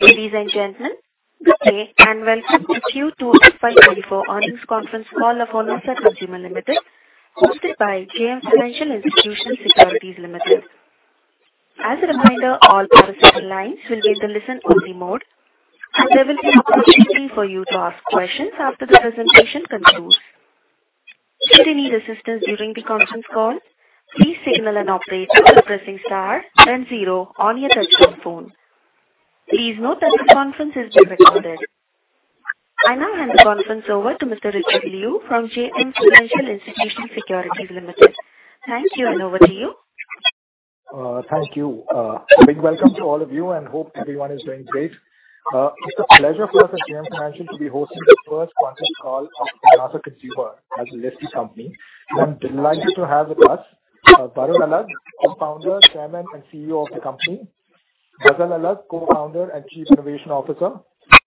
Ladies and gentlemen, good day, and welcome to Q2 FY2024 earnings conference call of Honasa Consumer Limited, hosted by JM Financial Institutional Securities Limited. As a reminder, all participant lines will be in the listen-only mode, and there will be an opportunity for you to ask questions after the presentation concludes. Should you need assistance during the conference call, please signal an operator by pressing star then zero on your touchtone phone. Please note that the conference is being recorded. I now hand the conference over to Mr. Richard Liu from JM Financial Institutional Securities Limited. Thank you, and over to you. Thank you. A big welcome to all of you, and hope everyone is doing great. It's a pleasure for us at JM Financial to be hosting the first conference call of Honasa Consumer as a listed company. I'm delighted to have with us, Varun Alagh, Co-Founder, Chairman, and CEO of the company; Ghazal Alagh, Co-Founder and Chief Innovation Officer;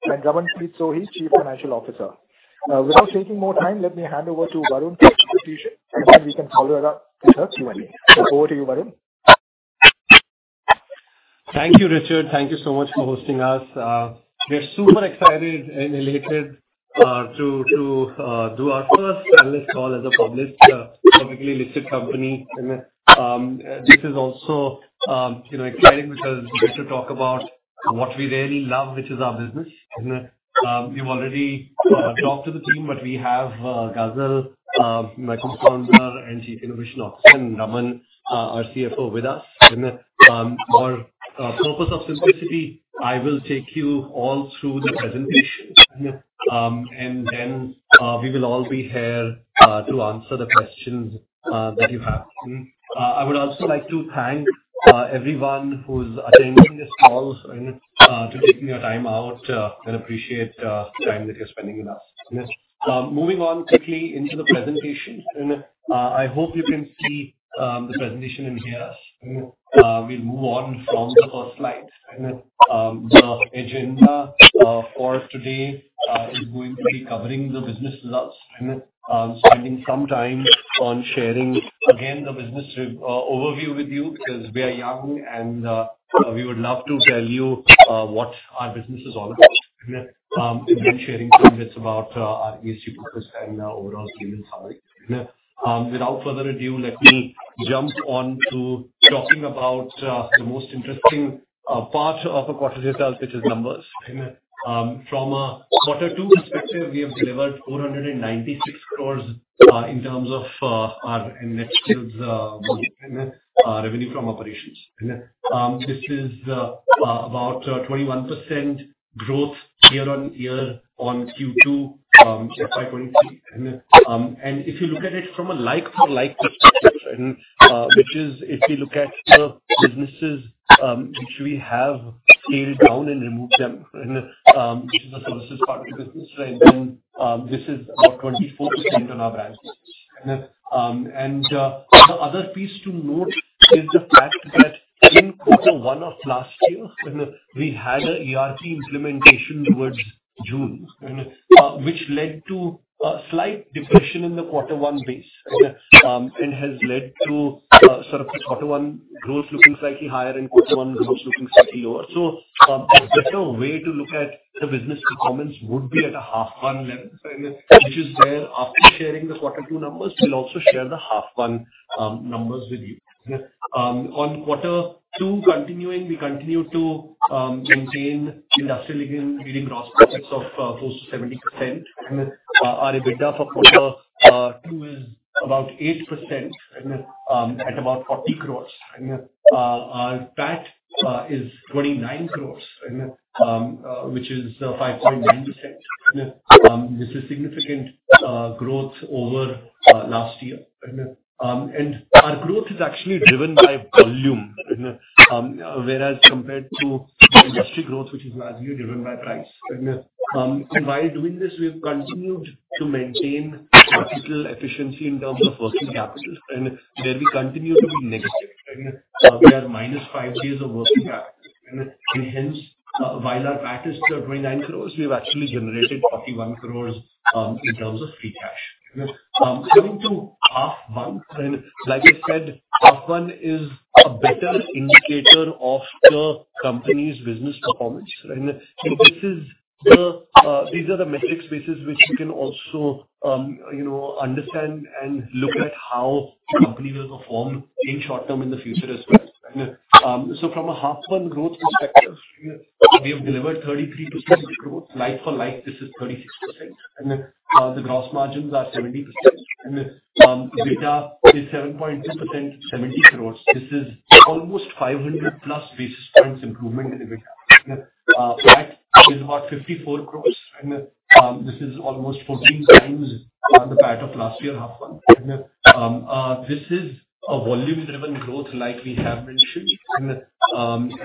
and Ramanpreet Sohi, Chief Financial Officer. Without taking more time, let me hand over to Varun for introduction, and then we can follow it up with our Q&A. Over to you, Varun. Thank you, Richard. Thank you so much for hosting us. We're super excited and elated to do our first analyst call as a publicly listed company. This is also, you know, exciting because we get to talk about what we really love, which is our business. We've already talked to the team, but we have Ghazal, my co-founder and Chief Innovation Officer, and Raman, our CFO with us. For purpose of simplicity, I will take you all through the presentation, and then we will all be here to answer the questions that you have. I would also like to thank everyone who's attending this call and for taking your time out, and appreciate the time that you're spending with us. Moving on quickly into the presentation, and I hope you can see the presentation in here. We'll move on from the first slide. The agenda for today is going to be covering the business results, and spending some time on sharing again, the business overview with you, because we are young and we would love to tell you what our business is all about. And then sharing some bits about our ESG purpose and our overall team and sorry. Without further ado, let me jump on to talking about the most interesting part of a quarter result, which is numbers. From a quarter two perspective, we have delivered 496 crore in terms of our net sales and revenue from operations. This is about 21% growth year-over-year on Q2, FY2023. And if you look at it from a like-for-like perspective, which is if you look at the businesses which we have scaled down and removed them, which is the services part of the business, right, then this is about 24% on our brands. And the other piece to note is the fact that in quarter one of last year, we had a ERP implementation towards June, which led to a slight depression in the quarter one base. And has led to sort of the quarter one growth looking slightly higher and quarter one growth looking slightly lower. A better way to look at the business performance would be at a half one level, which is where after sharing the quarter two numbers, we'll also share the half one numbers with you. On quarter two continuing, we continue to maintain industry-leading gross profits of close to 70%. And our EBITDA for quarter two is about 8% at about 40 crore. And our PAT is 29 crore, which is 5.9%. This is significant growth over last year. And our growth is actually driven by volume, whereas compared to industry growth, which is largely driven by price. While doing this, we've continued to maintain operational efficiency in terms of working capital, and where we continue to be negative, we are -5 days of working capital. Hence, while our PAT is still 29 crore, we've actually generated 41 crore in terms of free cash. Coming to half one, and like I said, half one is a better indicator of the company's business performance. These are the metrics basis which you can also, you know, understand and look at how the company will perform in short term, in the future as well. So from a half one growth perspective, we have delivered 33% growth. Like for like, this is 36%, and the gross margins are 70%. EBITDA is 7.2%, 70 crore. This is almost 500+ basis points improvement in EBITDA. PAT is about INR 54 crore, and this is almost 14 times the PAT of last year H1. This is a volume-driven growth like we have mentioned.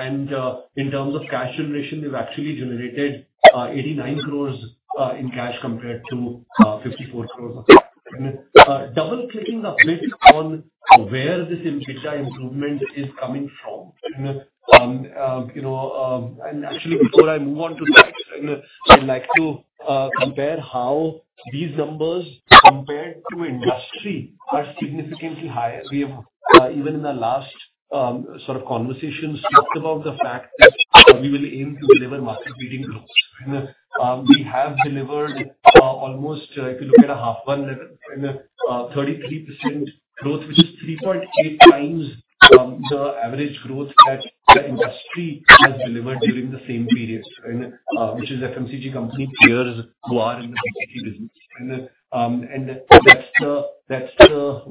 And in terms of cash generation, we've actually generated 89 crore in cash compared to 54 crore. Double clicking a bit on where this EBITDA improvement is coming from. You know, and actually, before I move on to next, I'd like to compare how these numbers compare to industry are significantly higher. We have even in the last sort of conversations talked about the fact that we will aim to deliver market-leading growth. We have delivered almost, if you look at H1, a 33% growth, which is 3.8 times the average growth that the industry has delivered during the same period. And which is FMCG company peers who are in the BPC business. And that's the, that's the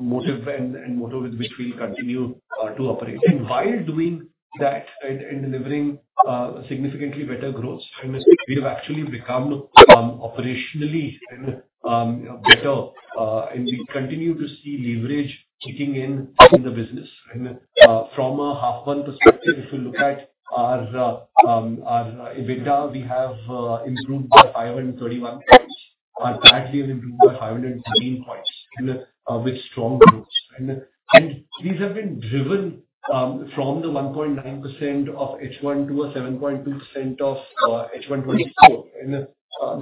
motive and motto with which we'll continue to operate. And while doing that and delivering significantly better growth, and we have actually become operationally and better, and we continue to see leverage kicking in in the business. And from an H1 perspective, if you look at our our EBITDA, we have improved by 531 points. Our PAT improved by 517 points, and with strong growth. And these have been driven from the 1.9% of H1 to a 7.2% of H1 2024. And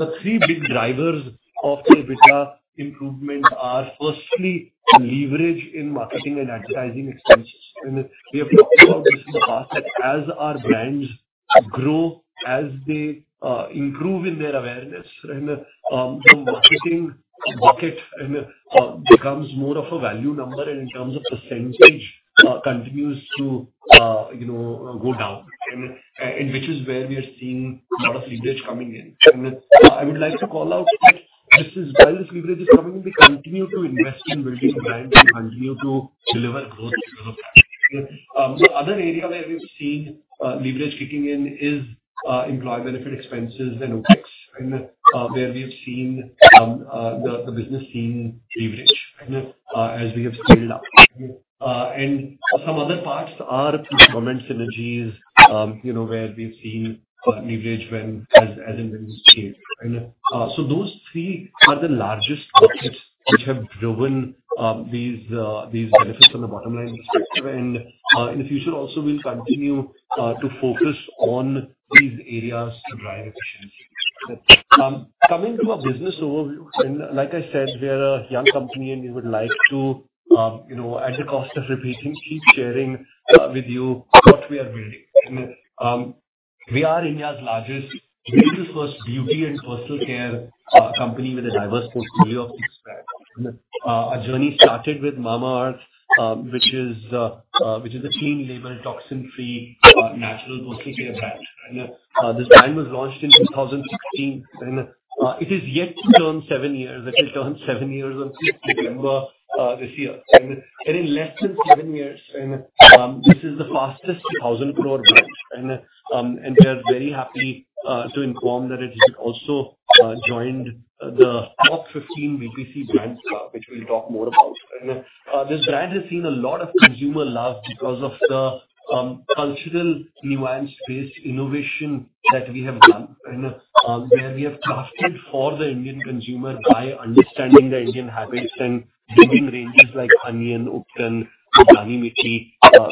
the three big drivers of the EBITDA improvement are, firstly, leverage in marketing and advertising expenses. And we have talked about this in the past, that as our brands grow, as they improve in their awareness, and the marketing bucket and becomes more of a value number and in terms of percentage continues to you know go down. And which is where we are seeing a lot of leverage coming in. And I would like to call out that this is, while this leverage is coming in, we continue to invest in building brands, we continue to deliver growth. The other area where we've seen leverage kicking in is employee benefit expenses and OpEx. There we have seen the business seeing leverage, and as we have scaled up. And some other parts are procurement synergies, you know, where we've seen leverage as and when we scale. So those three are the largest pockets which have driven these benefits from the bottom line perspective. In the future also, we'll continue to focus on these areas to drive efficiency. Coming to our business overview, and like I said, we are a young company, and we would like to, you know, at the cost of repeating, keep sharing with you what we are building. We are India's largest digital-first beauty and personal care company with a diverse portfolio of brands. Our journey started with Mamaearth, which is a clean label, toxin-free, natural personal care brand. This brand was launched in 2016, and it is yet to turn seven years. It will turn seven years on 6th December this year. In less than seven years, this is the fastest 1,000 crore brand. We are very happy to inform that it has also joined the top 15 BPC brands, which we'll talk more about. This brand has seen a lot of consumer love because of the cultural nuance-based innovation that we have done, and where we have crafted for the Indian consumer by understanding the Indian habits and bringing ranges like Onion, Ubtan, Honey Malai,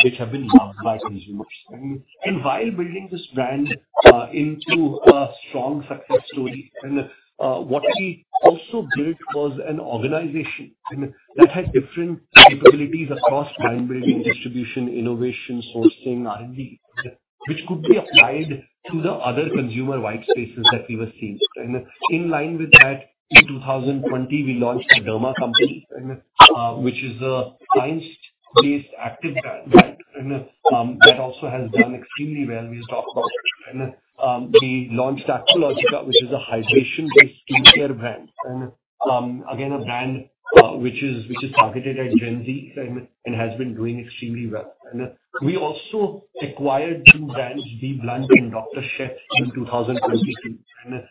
which have been loved by consumers. While building this brand into a strong success story, what we also built was an organization, and that had different capabilities across brand building, distribution, innovation, sourcing, R&D, which could be applied to the other consumer white spaces that we were seeing. In line with that, in 2020, we launched The Derma Co., which is a science-based active brand. And that also has done extremely well. We'll talk about it. And we launched Aqualogica, which is a hydration-based skincare brand. And again, a brand which is targeted at Gen Z and has been doing extremely well. And we also acquired two brands, BBlunt and Dr. Sheth's in 2022, and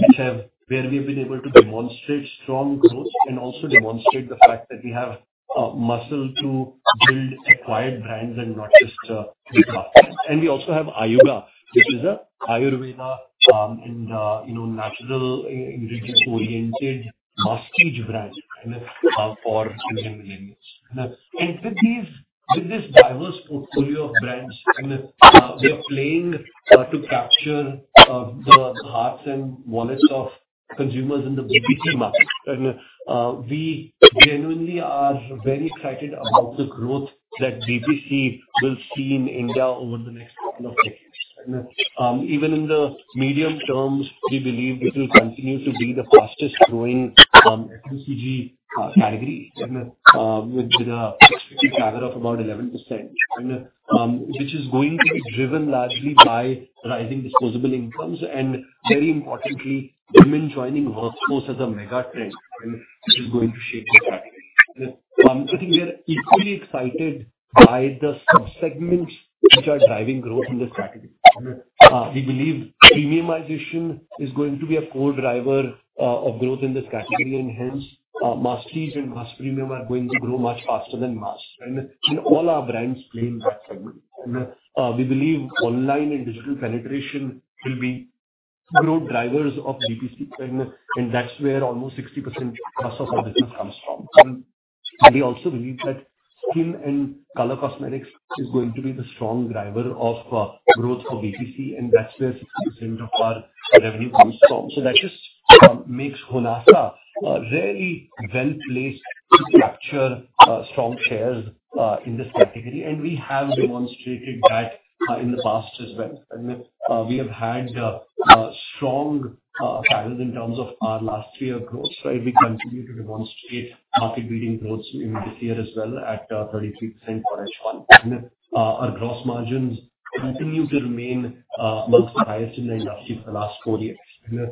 which have. Where we have been able to demonstrate strong growth and also demonstrate the fact that we have muscle to build acquired brands and not just development. We also have Ayuga, which is a Ayurveda and you know natural ingredients-oriented prestige brand and for Indian lineage. With this diverse portfolio of brands, we are playing to capture the hearts and wallets of consumers in the BPC market. We genuinely are very excited about the growth that BPC will see in India over the next couple of decades. Even in the medium term, we believe it will continue to be the fastest growing FMCG category and with an expected CAGR of about 11%. which is going to be driven largely by rising disposable incomes, and very importantly, women joining workforce as a mega trend, and this is going to shape the category. I think we are equally excited by the sub-segments which are driving growth in this category. We believe premiumization is going to be a core driver of growth in this category, and hence, prestige and mass premium are going to grow much faster than mass. All our brands play in that segment. We believe online and digital penetration will be growth drivers of BPC, and that's where almost 60%+ of our business comes from. We also believe that skin and color cosmetics is going to be the strong driver of growth for BPC, and that's where 60% of our revenue comes from. So that just makes Honasa very well placed to capture strong shares in this category, and we have demonstrated that in the past as well. And we have had strong patterns in terms of our last year growth, right? We continue to demonstrate market-leading growth in this year as well, at 33% for H1. Our gross margins continue to remain amongst the highest in the industry for the last four years. And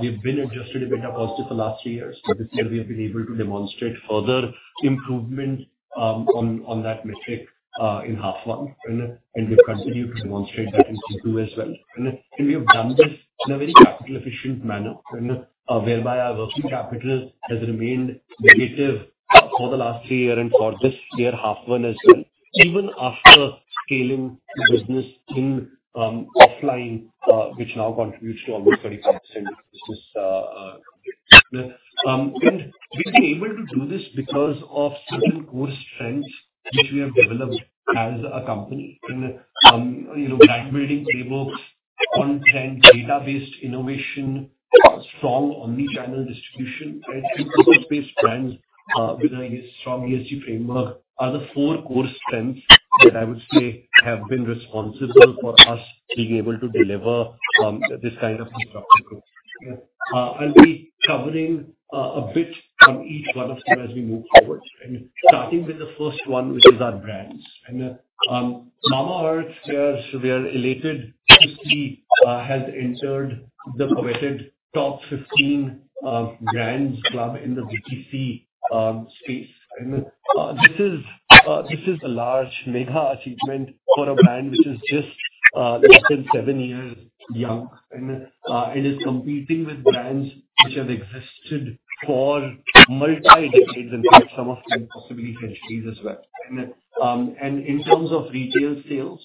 we've been Adjusted EBITDA positive for the last three years, but this year we have been able to demonstrate further improvement on that metric in half one, and we continue to demonstrate that in Q2 as well. And we have done this in a very capital efficient manner, whereby our working capital has remained negative for the last 3 years and for this year, H1 as well, even after scaling the business in offline, which now contributes to almost 35%. And we've been able to do this because of certain core strengths which we have developed as a company. And, you know, brand building playbooks, content, data-based innovation, strong omni-channel distribution, and purpose-based brands with a strong ESG framework, are the four core strengths that I would say have been responsible for us being able to deliver this kind of constructive growth. I'll be covering a bit from each one of them as we move forward. And starting with the first one, which is our brands. Mamaearth, we are elated, actually, has entered the coveted top 15 brands club in the BPC space. This is a large mega achievement for a brand which is just less than 7 years young, and is competing with brands which have existed for multi-decades, and some of them possibly centuries as well. In terms of retail sales,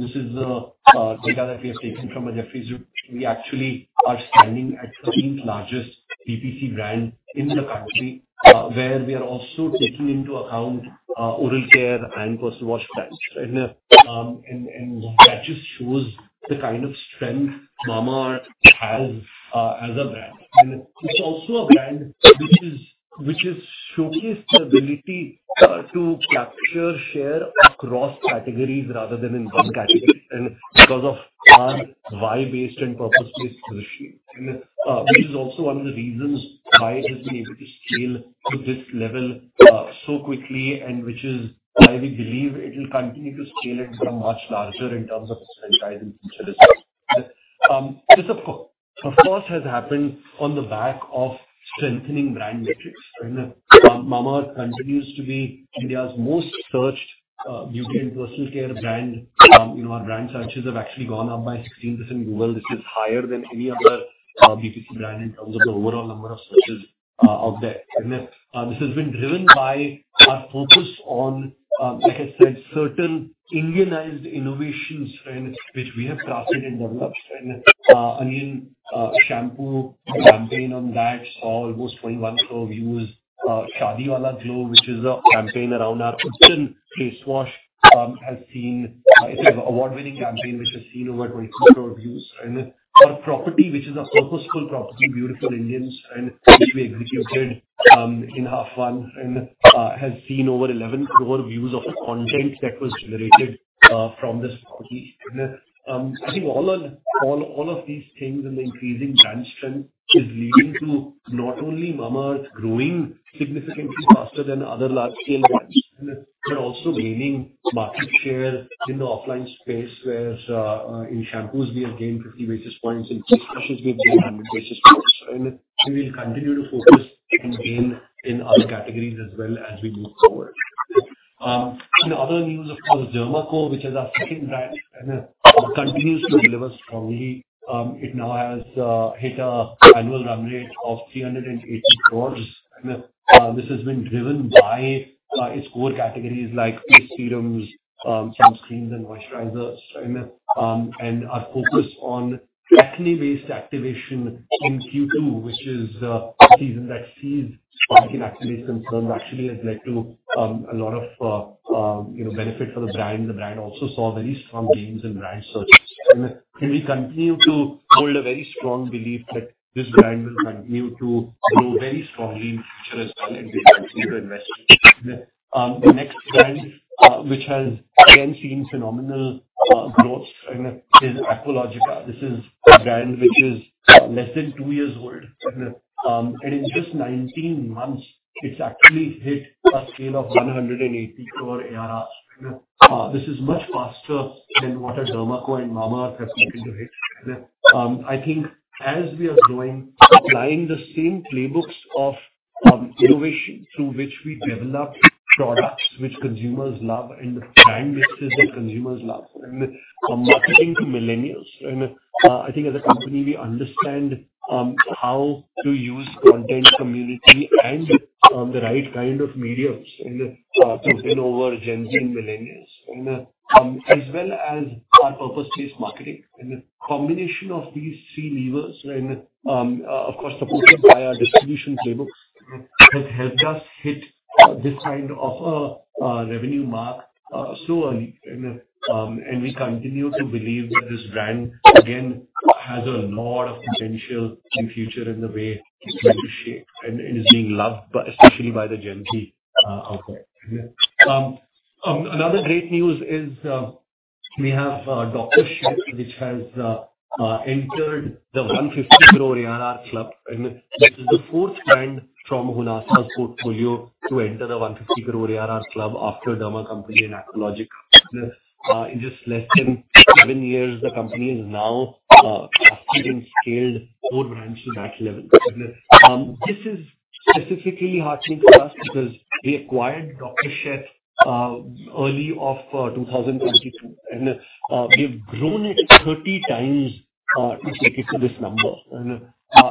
this is data that we have taken from a Jefferies Group. We actually are standing at 13th largest BPC brand in the country, where we are also taking into account oral care and personal wash brands. That just shows the kind of strength Mamaearth has as a brand. It's also a brand which has showcased the ability to capture share across categories rather than in one category, and because of our value-based and purpose-based solution. This is also one of the reasons why it has been able to scale to this level so quickly, and which is why we believe it will continue to scale and grow much larger in terms of its franchise in future as well. This, of course, has happened on the back of strengthening brand metrics. Mamaearth continues to be India's most searched beauty and personal care brand. You know, our brand searches have actually gone up by 16% in Google, which is higher than any other BPC brand in terms of the overall number of searches out there. This has been driven by our focus on, like I said, certain Indianized innovations, and which we have crafted and developed. The onion shampoo campaign on that saw almost 21 crore views. Shaadi Wala Glow, which is a campaign around our certain face wash, has seen. It's an award-winning campaign, which has seen over 22 crore views. Our property, which is a purposeful property, Beautiful Indians, and which we executed in half one, has seen over 11 crore views of the content that was generated from this property. I think all of these things and the increasing brand strength is leading to not only Mamaearth growing significantly faster than other large-scale brands, but also gaining market share in the offline space, whereas in shampoos, we have gained 50 basis points, in face washes, we have gained 100 basis points. We will continue to focus and gain in other categories as well as we move forward. In other news, of course, The Derma Co., which is our second brand, continues to deliver strongly. It now has hit an annual run rate of 380 crore. This has been driven by its core categories like face serums, sunscreens and moisturizers. Our focus on acne-based activation in Q2, which is a season that sees spike in acne concerns, actually has led to a lot of, you know, benefit for the brand. The brand also saw very strong gains in brand searches. We continue to hold a very strong belief that this brand will continue to grow very strongly in future as well, and we continue to invest in it. The next brand, which has again seen phenomenal growth, and is Aqualogica. This is a brand which is less than 2 years old, and in just 19 months, it's actually hit a scale of 180 crore ARR. This is much faster than what The Derma Co. and Mamaearth have taken to hit. I think as we are growing, applying the same playbooks of innovation through which we develop products which consumers love, and the brand mixes that consumers love, and marketing to millennials. And I think as a company, we understand how to use content community and the right kind of mediums and to win over Gen Z and millennials. And as well as our purpose-based marketing. And the combination of these three levers and of course, supported by our distribution playbooks, has helped us hit this kind of revenue mark so early. And we continue to believe that this brand, again, has a lot of potential in future in the way it's going to shape and is being loved, but especially by the Gen Z out there. Another great news is we have Dr. Sheth's, which has entered the 150 crore ARR club, and this is the fourth brand from Honasa's portfolio to enter the 150 crore ARR club after The Derma Co. and Aqualogica. In just less than seven years, the company has now captured and scaled more brands to that level. This is specifically heartening to us because we acquired Dr. Sheth's early 2022, and we've grown it 30 times to take it to this number.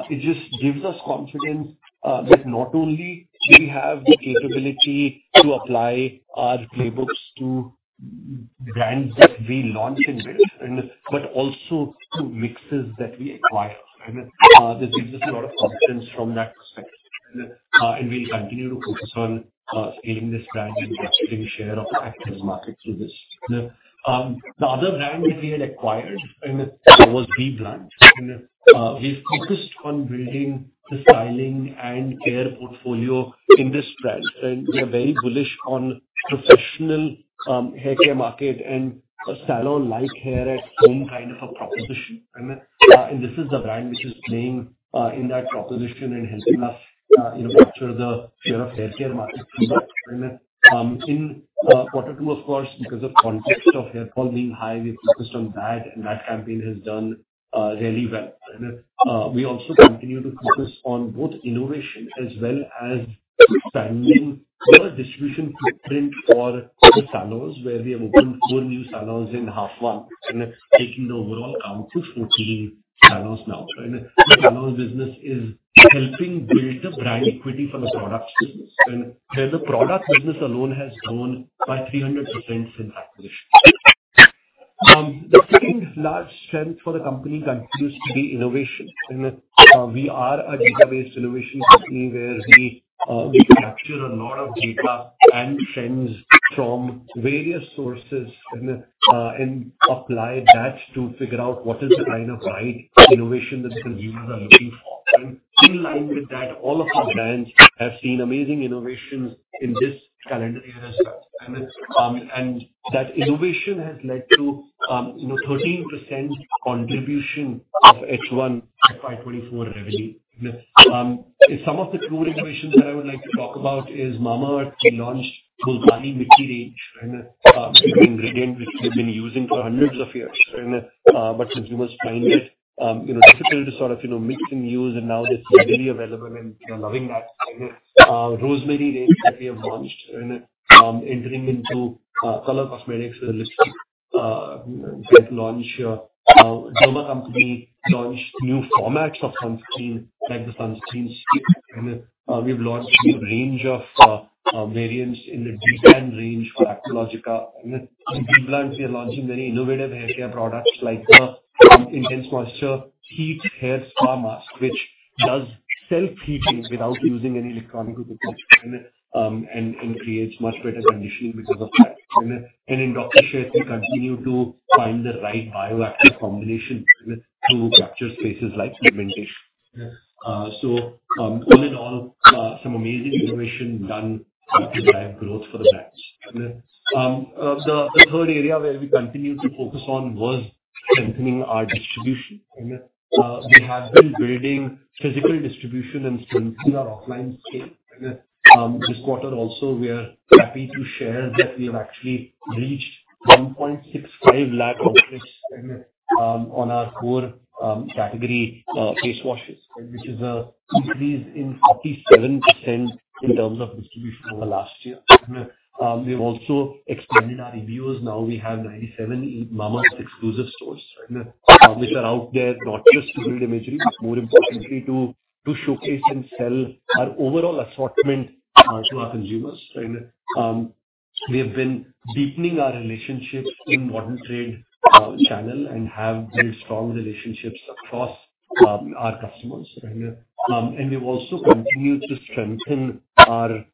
It just gives us confidence that not only do we have the capability to apply our playbooks to brands that we launch and build, but also to brands that we acquire. This gives us a lot of confidence from that perspective. We'll continue to focus on scaling this brand and capturing share of the active market through this. The other brand which we had acquired was BBlunt. And we've focused on building the styling and care portfolio in this brand, and we are very bullish on professional haircare market and a salon-like hair at home kind of a proposition. And this is the brand which is playing in that proposition and helping us, you know, capture the share of haircare market too much. And in quarter two, of course, because of context of hair fall being high, we focused on that, and that campaign has done really well. We also continue to focus on both innovation as well as expanding our distribution footprint for the salons, where we have opened 4 new salons in H1, and taking the overall count to 14 salons now. The salons business is helping build the brand equity for the products business. And where the product business alone has grown by 300% since acquisition. The second large strength for the company continues to be innovation. We are a data-based innovation company, where we capture a lot of data and trends from various sources and apply that to figure out what is the kind of right innovation that the consumers are looking for. And in line with that, all of our brands have seen amazing innovations in this calendar year as such. That innovation has led to, you know, 13% contribution of H1 FY2024 revenue. And some of the cool innovations that I would like to talk about is Mamaearth launched Multani Mitti range, and an ingredient which we've been using for hundreds of years. But consumers find it, you know, difficult to sort of, you know, mix and use, and now this is readily available, and they're loving that. Rosemary range that we have launched, and entering into color cosmetics with, we have launched The Derma Co., launched new formats of sunscreen, like the sunscreen stick. And we've launched a range of variants in the De-Tan range for Aqualogica. In BBlunt, we are launching many innovative haircare products, like, Intense Moisture Heat Hair Spa Mask, which does self-heating without using any electronic equipment, and creates much better conditioning because of that. In Dr. Sheth's, we continue to find the right bioactive combination to capture spaces like pigmentation. So, all in all, some amazing innovation done to drive growth for the brands. And the third area where we continue to focus on was strengthening our distribution. And we have been building physical distribution and strengthening our offline scale. And this quarter also, we are happy to share that we have actually reached 1.65 lakh outlets on our core category, face washes, which is an increase in 47% in terms of distribution over last year. And, we have also expanded our EBOs. Now, we have 97 Mamaearth exclusive stores, and, which are out there, not just to build imagery, but more importantly, to showcase and sell our overall assortment, to our consumers. And, we have been deepening our relationships in modern trade channel, and have very strong relationships across, our customers. And, we've also continued to strengthen our,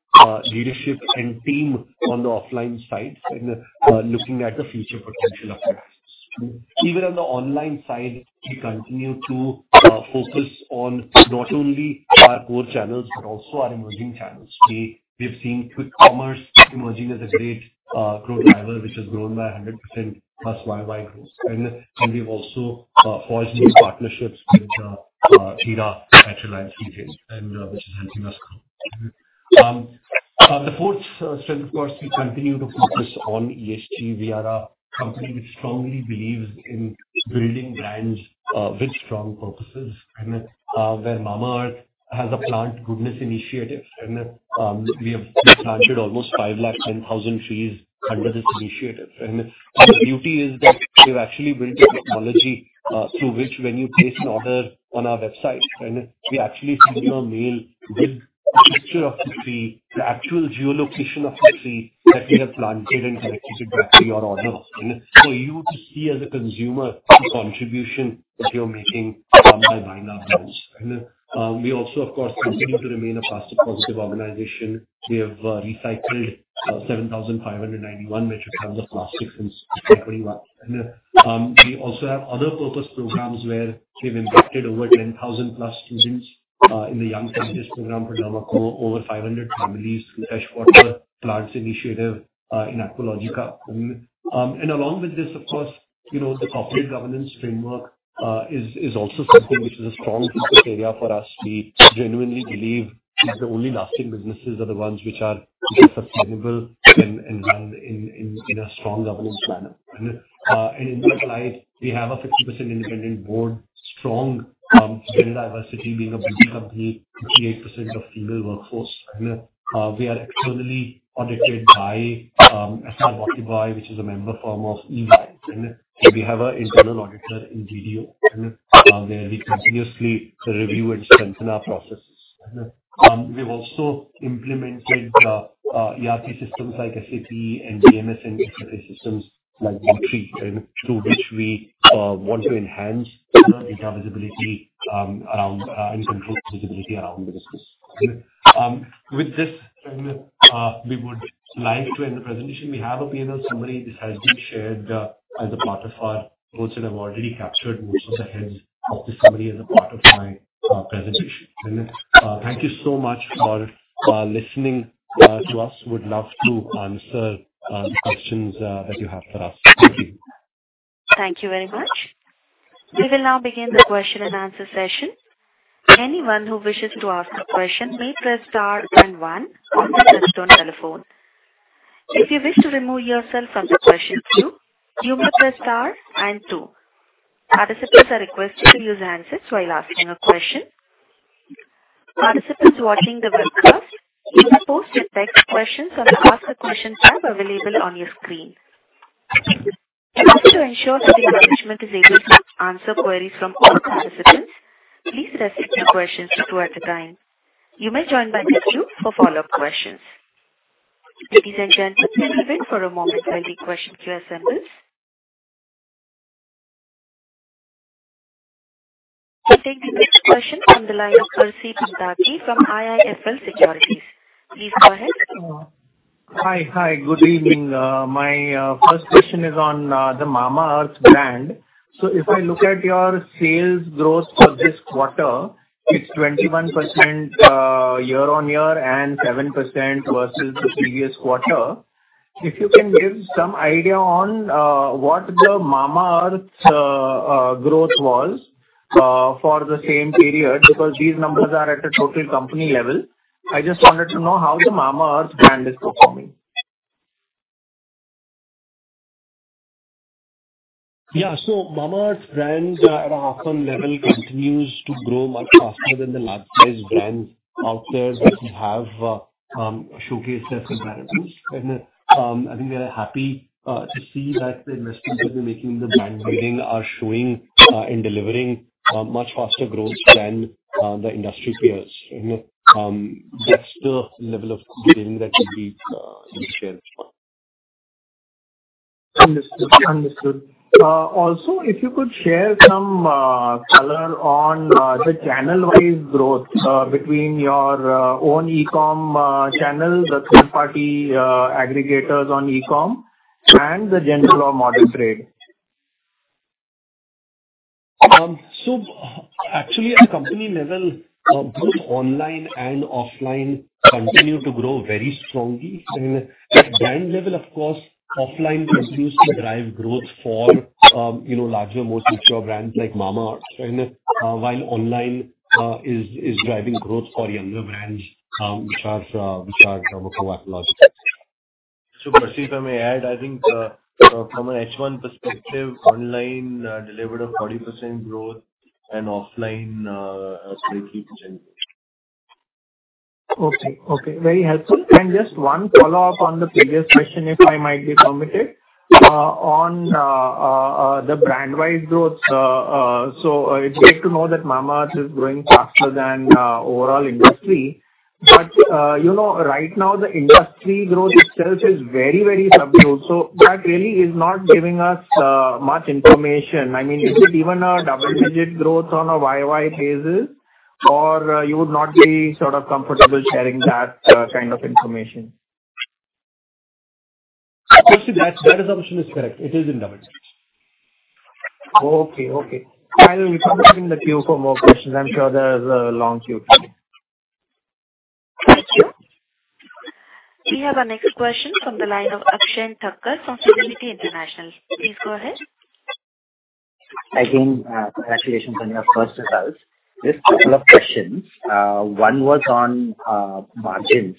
leadership and team on the offline side, and, looking at the future potential of it. Even on the online side, we continue to, focus on not only our core channels, but also our emerging channels. We've seen quick commerce emerging as a great, growth driver, which has grown by 100%+ YY growth. We've also forged new partnerships with Tira, and which is Ambani's. The fourth strength, of course, we continue to focus on ESG. We are a company which strongly believes in building brands with strong purposes, and where Mamaearth has a Plant Goodness initiative, and we have planted almost 510,000 trees under this initiative. And the beauty is that we've actually built a technology through which when you place an order on our website, and we actually send you a mail with a picture of the tree, the actual geolocation of the tree that we have planted, and connected it back to your order. And so you would see as a consumer, the contribution that you're making by buying our brands. We also, of course, continue to remain a plastic-positive organization. We have recycled 7,591 metric ton of plastic since 2021. We also have other purpose programs where we've impacted over 10,000+ students in the The Young Scientist Program for over 500 families through the Fresh Water Plants initiative in Aqualogica. And along with this, of course, you know, the corporate governance framework is also something which is a strong focus area for us. We genuinely believe that the only lasting businesses are the ones which are sustainable and in a strong governance manner. And in that light, we have a 50% independent board, strong gender diversity. Being a beauty company, 58% of female workforce. We are externally audited by Ernst & Young, which is a member firm of EY. We have an internal auditor in BDO, and where we continuously review and strengthen our processes. We've also implemented ERP systems like SAP and DMS, and systems like M3, and through which we want to enhance data visibility around and control visibility around the business. With this, we would like to end the presentation. We have a panel summary, this has been shared as a part of our notes, and I've already captured most of the heads of the summary as a part of my presentation. Thank you so much for listening to us. Would love to answer the questions that you have for us. Thank you. Thank you very much. We will now begin the question-and answer session. Anyone who wishes to ask a question may press star and one on their touchtone telephone. If you wish to remove yourself from the question queue, you may press star and two. Participants are requested to use handsets while asking a question. Participants watching the webcast, you can post your text questions on the Ask a Question tab available on your screen. In order to ensure that the management is able to answer queries from all participants, please restrict your questions to two at a time. You may join the queue for follow-up questions. Ladies and gentlemen, please wait for a moment while the question queue assembles. I'll take the next question from the line of Percy Panthaki from IIFL Securities. Please go ahead. Hi. Hi. Good evening. My first question is on the Mamaearth brand. So if I look at your sales growth for this quarter, it's 21% year-on-year and 7% versus the previous quarter. If you can give some idea on what the Mamaearth's growth was for the same period, because these numbers are at a total company level. I just wanted to know how the Mamaearth brand is performing. Yeah. So Mamaearth brand, at a high level, continues to grow much faster than the large size brands out there that we have showcased as competitors. I think we are happy to see that the investments that we're making in the brand building are showing and delivering much faster growth than the industry peers. That's the level of building that we shared. Understood. Understood. Also, if you could share some color on the channel-wise growth between your own e-com channel, the third party aggregators on e-com and the general modern trade. So actually, at company level, both online and offline continue to grow very strongly. At brand level, of course, offline continues to drive growth for, you know, larger, more mature brands like Mamaearth, and while online is driving growth for younger brands, which are Aqualogica. Percy, if I may add, I think, from an H1 perspective, online delivered a 40% growth and offline, 20%. Okay. Okay, very helpful. And just one follow-up on the previous question, if I might be permitted, on the brand-wide growth. So it's great to know that Mamaearth is growing faster than overall industry. But you know, right now the industry growth itself is very, very subtle, so that really is not giving us much information. I mean, is it even a double-digit growth on a YoY basis, or you would not be sort of comfortable sharing that kind of information? Actually, that, that assumption is correct. It is in double digits. Okay. Okay. I will return the queue for more questions. I'm sure there's a long queue. Thank you. We have our next question from the line of Akshen Thakkar from Fidelity International. Please go ahead. Again, congratulations on your first results. Just a couple of questions. One was on, margins.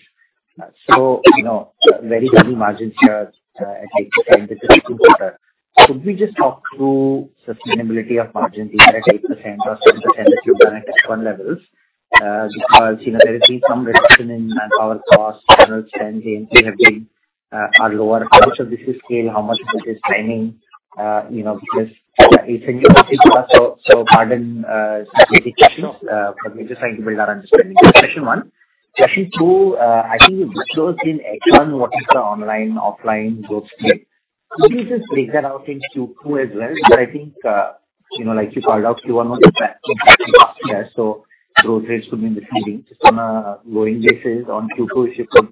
So, you know, very healthy margins here, at least percent. Could we just talk through sustainability of margins, either at 8% or 7% that you've done at H1 levels? Because, you know, there has been some reduction in manpower costs, channel spend, they have been, are lower. How much of this is scale? How much of it is timing? You know, because it's a new so, so pardon, repeated questions, but we're just trying to build our understanding. Question one. Question two, I think you broke in H1, what is the online, offline growth rate? Could you just break that out in Q2 as well? Because I think, you know, like you called out, Q1 was so growth rates could be misleading. Just on a going basis on Q2, if you could,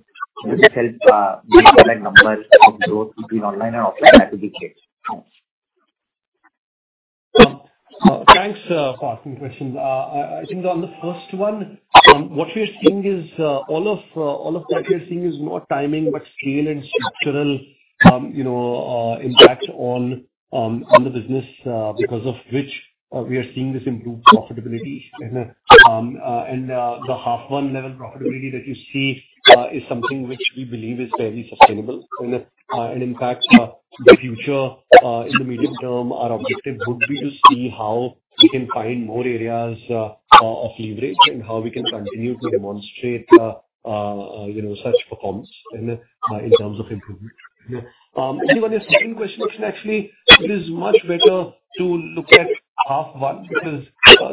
just help, break the like numbers between online and offline, that would be great. Thanks. Thanks for asking questions. I think on the first one, what we are seeing is all of what we are seeing is more timing, but scale and structural, you know, impact on the business, because of which, we are seeing this improved profitability. And the half one level profitability that you see is something which we believe is fairly sustainable. And in fact, the future, in the medium term, our objective would be to see how we can find more areas of leverage and how we can continue to demonstrate, you know, such performance and in terms of improvement. On your second question, actually, it is much better to look at H1, because,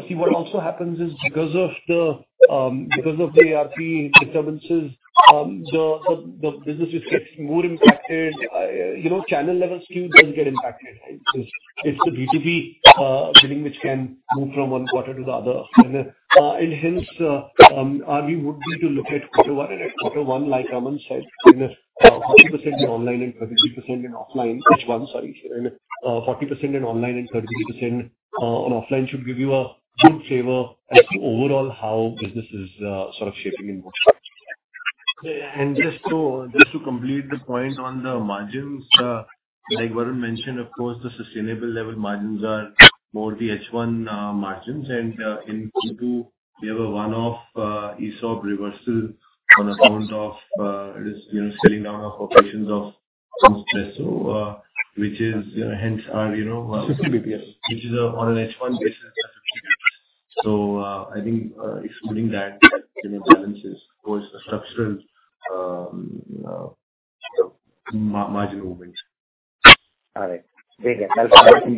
see, what also happens is because of the ERP disturbances, the business just gets more impacted. You know, channel level SKU doesn't get impacted. It's the B2B billing, which can move from one quarter to the other. And hence, our view would be to look at quarter one. And at quarter one, like Raman said, 40% in online and 30% in offline. H1, sorry, 40% in online and 30% in offline should give you a good flavor as to overall how business is sort of shaping in both parts. And just to complete the point on the margins, like Varun mentioned, of course, the sustainable level margins are more the H1 margins. And in Q2, we have a one-off ESOP reversal on account of it is, you know, scaling down of operations of The Moms Co.. So, which is, hence our, you know which is on an H1 basis. So, I think, excluding that, you know, balances, of course, the structural, you know, margin movements. All right. Very good. Next question.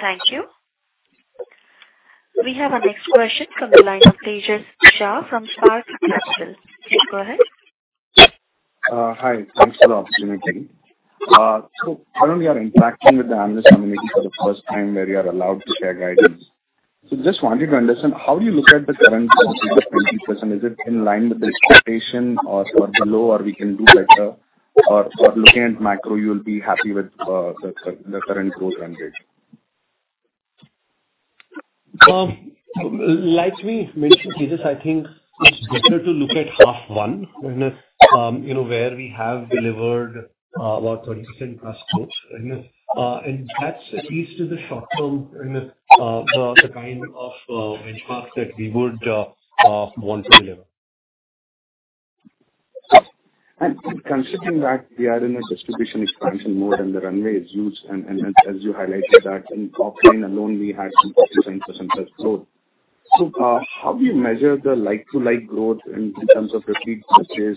Thank you. We have our next question from the line of Tejas Shah from Spark Capital. Please, go ahead. Hi, thanks for the opportunity. So currently we are interacting with the analyst community for the first time, where we are allowed to share guidance. So just wanted to understand, how you look at the current 20%, is it in line with the expectation or, or below, or we can do better? Or, or looking at macro, you will be happy with, the current, the current growth range? Like we mentioned, Tejas, I think it's better to look at half one, you know, where we have delivered about 30%+ growth. And that's at least in the short term, and the kind of benchmark that we would want to deliver. Considering that we are in a distribution expansion mode and the runway is huge, and as you highlighted that in offline alone, we had some 49%+ growth. So, how do you measure the like-to-like growth in terms of repeat purchases?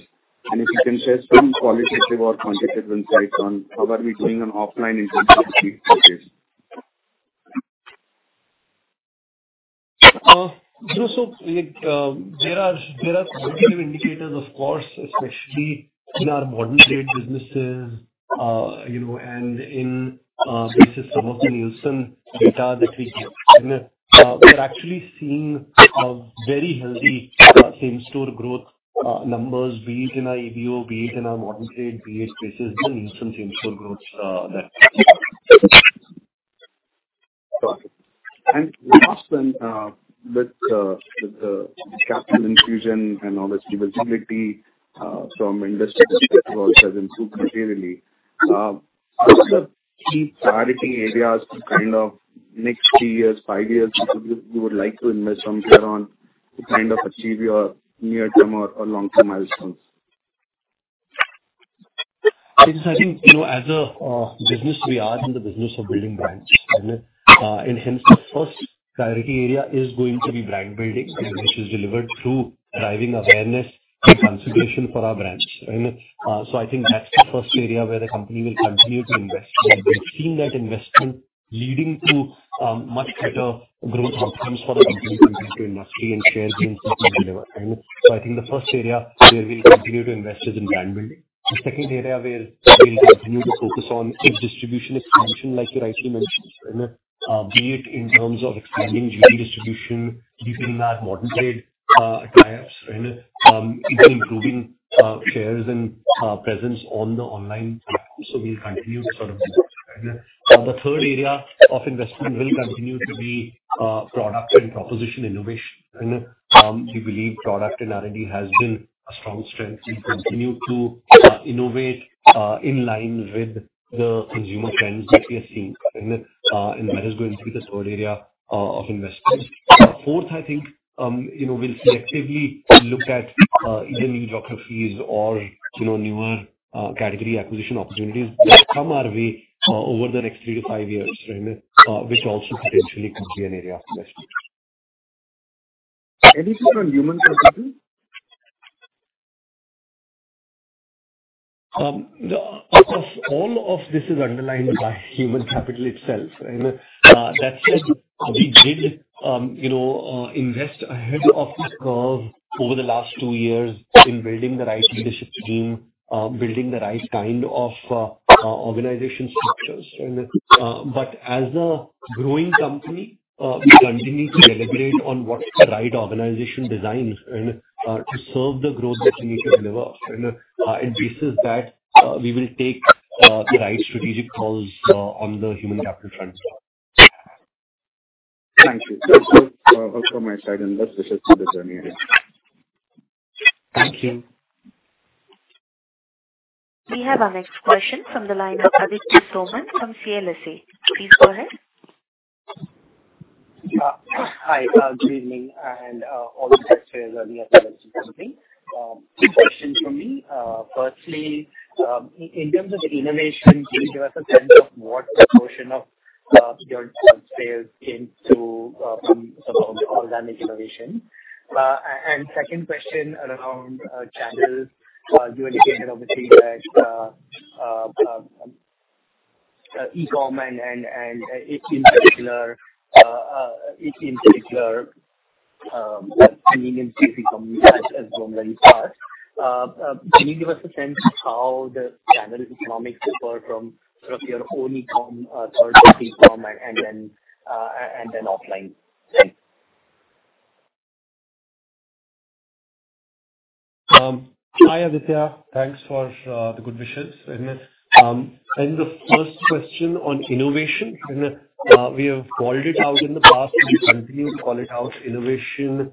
And if you can share some qualitative or quantitative insights on how are we doing on offline in terms of repeat purchases? So, there are positive indicators, of course, especially in our modern trade businesses, you know, and in basis some of the Nielsen data that we get. We're actually seeing very healthy same-store growth numbers, be it in our EBO, be it in our modern trade, be it. This is the Nielsen same-store growth, that. Got it. And last then, with the capital infusion and all this visibility from investors has improved materially. What are the key priority areas to kind of next three years, five years, which you would like to invest from here on, to kind of achieve your near-term or long-term milestones? Tejas, I think, you know, as a business, we are in the business of building brands. And hence, the first priority area is going to be brand building, which is delivered through driving awareness and consideration for our brands. And, so I think that's the first area where the company will continue to invest. We are seeing that investment leading to much better growth outcomes for the company compared to industry and share gains being delivered. And so I think the first area where we'll continue to invest is in brand building. The second area where we'll continue to focus on is distribution expansion, like you rightly mentioned. And, be it in terms of expanding GT distribution, deepening our Modern Trade tie-ups, and even improving shares and presence on the online platform. So we'll continue to sort of. The third area of investment will continue to be product and proposition innovation. And we believe product and R&D has been a strong strength. We continue to innovate in line with the consumer trends that we are seeing, right? And that is going to be the third area of investment. Fourth, I think, you know, we'll selectively look at either new geographies or, you know, newer category acquisition opportunities that come our way over the next three to five years, right? Which also potentially could be an area of investment. Anything on human capital? All of this is underlined by human capital itself, right? That said, we did, you know, invest ahead of this curve over the last two years in building the right leadership team, building the right kind of organization structures. But as a growing company, we continue to deliberate on what's the right organization designs and to serve the growth that we need to deliver. And this is that we will take the right strategic calls on the human capital front as well. Thank you. So, so, also my side and best wishes to the journey ahead. Thank you. We have our next question from the line of Aditya Soman from CLSA. Please go ahead. Hi, good evening, and all the best to the company. Two questions from me. Firstly, in terms of innovation, can you give us a sense of what proportion of your sales came from organic innovation? And second question around channels. You indicated, obviously, that e-com and quick commerce in particular, that premium quick commerce as well as GT. Can you give us a sense how the channel economics differ from sort of your own e-com, third party e-com, and then offline? Thanks. Hi, Aditya. Thanks for the good wishes. The first question on innovation, and we have called it out in the past, and we continue to call it out. Innovation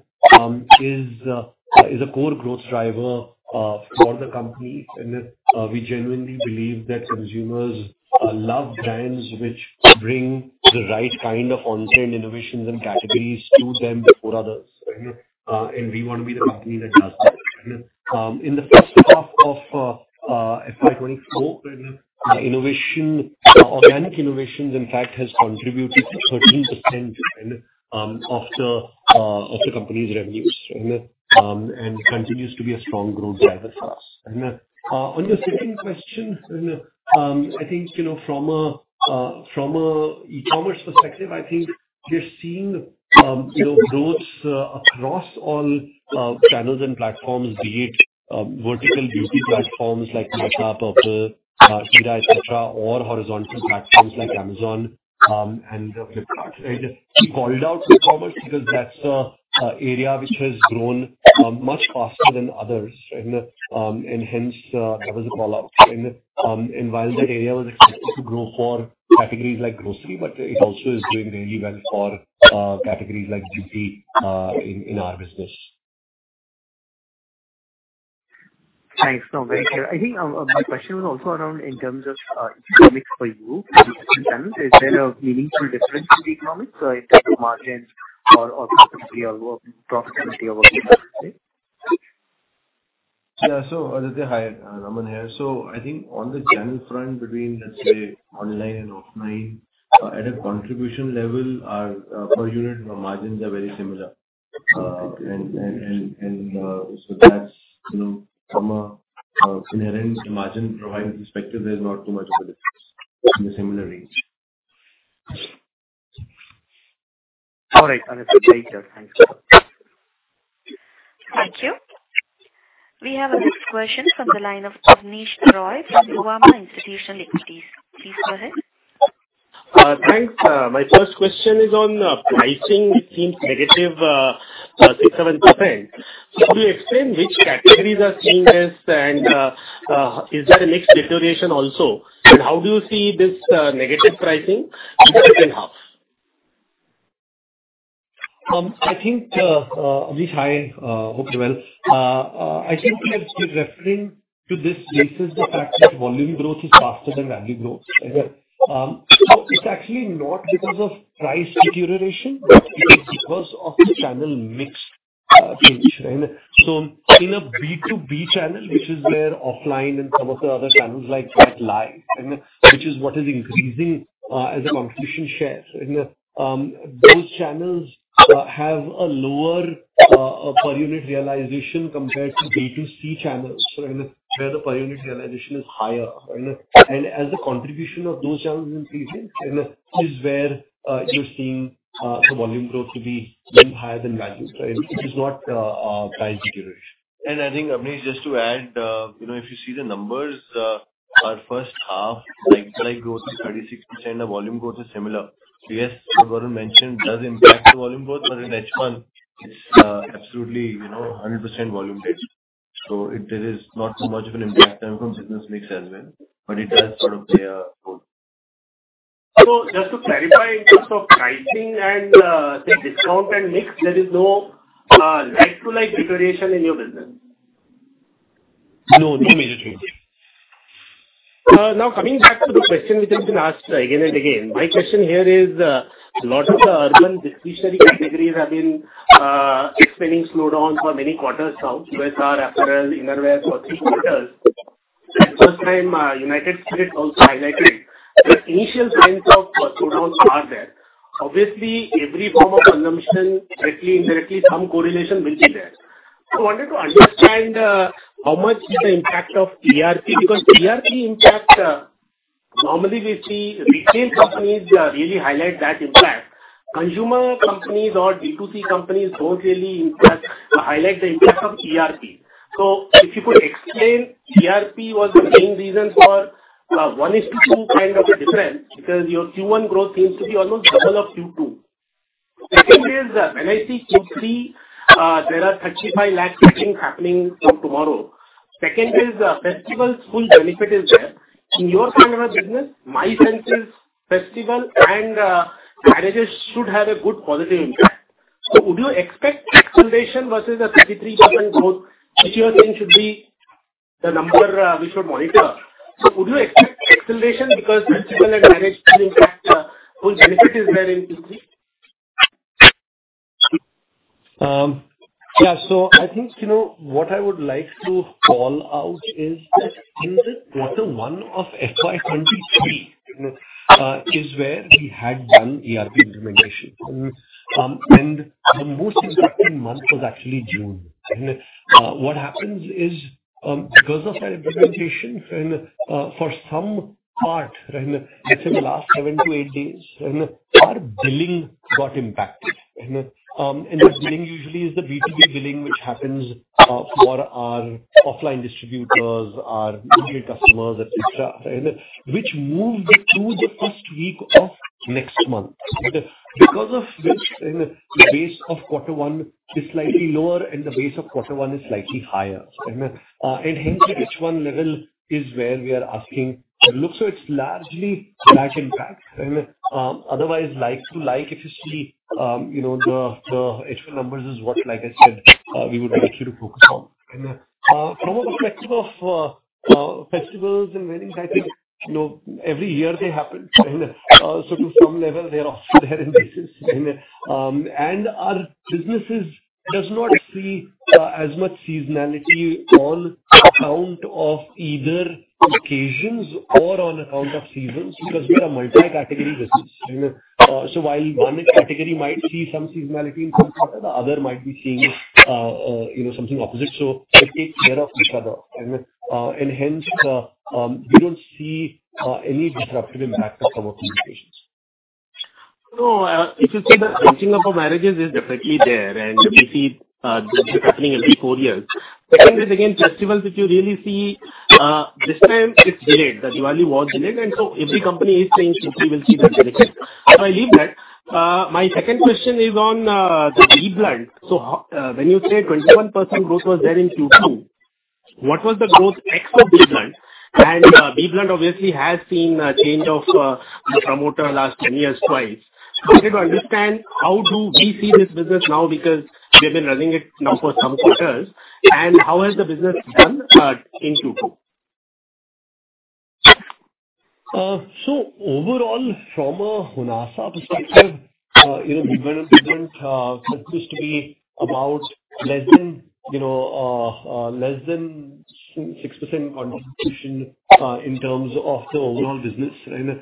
is a core growth driver for the company. We genuinely believe that consumers love brands which bring the right kind of on-trend innovations and categories to them before others. And we want to be the company that does that. In the first half of FY2024, innovation, organic innovations in fact has contributed 13% of the company's revenues, and continues to be a strong growth driver for us. On your second question, I think, you know, from a from a e-commerce perspective, I think we're seeing, you know, growth across all channels and platforms, be it vertical beauty platforms like Nykaa, Purplle, Tira, et cetera, or horizontal platforms like Amazon and Flipkart. I just keep calling out to e-commerce because that's a a area which has grown much faster than others, right? And hence, that was a call-out. And while the area was expected to grow for categories like grocery, but it also is doing really well for categories like beauty in in our business. Thanks. No, very clear. I think, my question was also around in terms of, economics for you. Is there a meaningful difference in the economics in terms of margins or, or profitability or profitability over the day? Yeah. So Aditya, hi, Raman here. So I think on the channel front, between, let's say, online and offline, at a contribution level, our per unit margins are very similar. And so that's, you know, from a inherent margin providing perspective, there's not too much of a difference. In a similar range. All right. Aditya, thank you. Thanks a lot. Thank you. We have our next question from the line of Abneesh Roy from Nuvama Institutional Equities. Please go ahead. Thanks. My first question is on pricing. It seems negative 6%-7%. Can you explain which categories are seeing this and is there a mix deterioration also? And how do you see this negative pricing in the second half? I think, Avnish, hi, hope you're well. I think you're referring to this basis, the fact that volume growth is faster than value growth. So it's actually not because of price deterioration, but it is because of the channel mix change. So in a B2B channel, which is where offline and some of the other channels like that lie, and which is what is increasing as a competition share. Those channels have a lower per unit realization compared to B2C channels, right, where the per unit realization is higher. And as the contribution of those channels increases, and is where you're seeing the volume growth to be higher than values. Right? It is not price deterioration. I think, Abneesh, just to add, you know, if you see the numbers, our first half, like, growth is 36%, the volume growth is similar. Yes, Varun mentioned, does impact the volume growth, but in H1, it's absolutely, you know, 100% volume driven. So it is not so much of an impact coming from business mix as well, but it does sort of. So just to clarify in terms of pricing and, say, discount and mix, there is no like-to-like deterioration in your business? No, no major change. Now coming back to the question, which has been asked again and again. My question here is, lot of the urban discretionary categories have been, experiencing slowdown for many quarters now, USL, apparel, innerwear, sports retailers. At first time, United Spirits also highlighted the initial signs of slowdowns are there. Obviously, every form of consumption, directly, indirectly, some correlation will be there. So I wanted to understand, how much is the impact of ERP, because ERP impact, normally we see retail companies, really highlight that impact. Consumer companies or B2C companies don't really impact, highlight the impact of ERP. So if you could explain, ERP was the main reason for, one is to two kind of a difference, because your Q1 growth seems to be almost double of Q2. Second is, when I see Q3, there are 3,500,000 weddings happening from tomorrow. Second is, festival's full benefit is there. In your kind of business, my sense is festival and marriages should have a good positive impact. So would you expect acceleration versus a 33% growth, which year then should be the number we should monitor? So would you expect acceleration because festival and marriage, in fact, full benefit is there in Q3? Yeah. So I think, you know, what I would like to call out is that in quarter one of FY2023 is where we had done ERP implementation. And the most impacting month was actually June. And what happens is, because of our implementation and, for some part, and it's in the last 7-8 days, and our billing got impacted. And this billing usually is the B2B billing, which happens, for our offline distributors, our retail customers, et cetera, and which moved to the first week of next month. Because of which, and the base of quarter one is slightly lower and the base of quarter one is slightly higher. And hence the H1 level is where we are asking. Look, so it's largely back and back. And, otherwise, like-to-like, if you see, you know, the, the H1 numbers is what, like I said, we would like you to focus on. And, from a perspective of, festivals and weddings, I think, you know, every year they happen. So to some level, they're also there in basis. And, and our businesses does not see, as much seasonality on account of either occasions or on account of seasons, because we are a multi-category business. So while one category might see some seasonality in some quarter, the other might be seeing, you know, something opposite. So they take care of each other. And, and hence, we don't see, any disruptive impact from our communications. No, if you see the bunching of the marriages is definitely there, and we see this happening every four years. Second is, again, festivals, if you really see this time it's delayed. The Diwali was delayed, and so every company is saying Q3 will see that benefit. So I leave that. My second question is on the BBlunt. So when you say 21% growth was there in Q2, what was the growth ex for BBlunt? And BBlunt obviously has seen a change of the promoter last 10 years, twice. So I want to understand, how do we see this business now? Because they've been running it now for some quarters, and how has the business done in Q2? So overall, from a Honasa perspective, you know, BBlunt continues to be about less than, you know, less than 6% contribution in terms of the overall business. And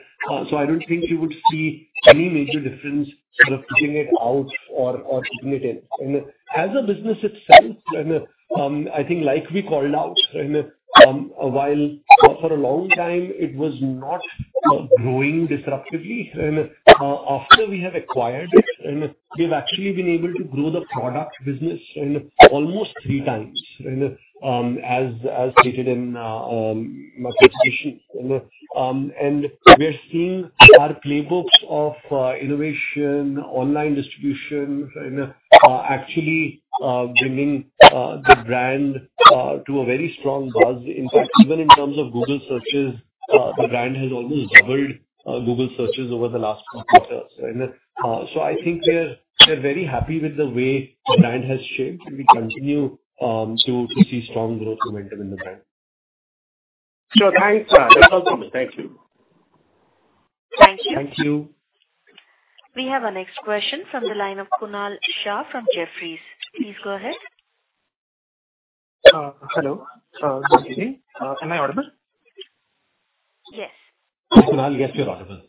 so I don't think you would see any major difference sort of keeping it out or keeping it in. And as a business itself, I think like we called out, while for a long time it was not growing disruptively, after we have acquired it, and we've actually been able to grow the product business in almost three times, as stated in my presentation. And we are seeing our playbooks of innovation, online distribution, and actually bringing the brand to a very strong buzz. In fact, even in terms of Google searches, the brand has almost doubled Google searches over the last couple of years. And, so I think we're very happy with the way the brand has shaped, and we continue to see strong growth momentum in the brand. Thanks, welcome. Thank you. Thank you. Thank you. We have our next question from the line of Kunal Shah from Jefferies. Please go ahead. Hello. Good evening. Am I audible? Yes. Kunal, yes, you're audible.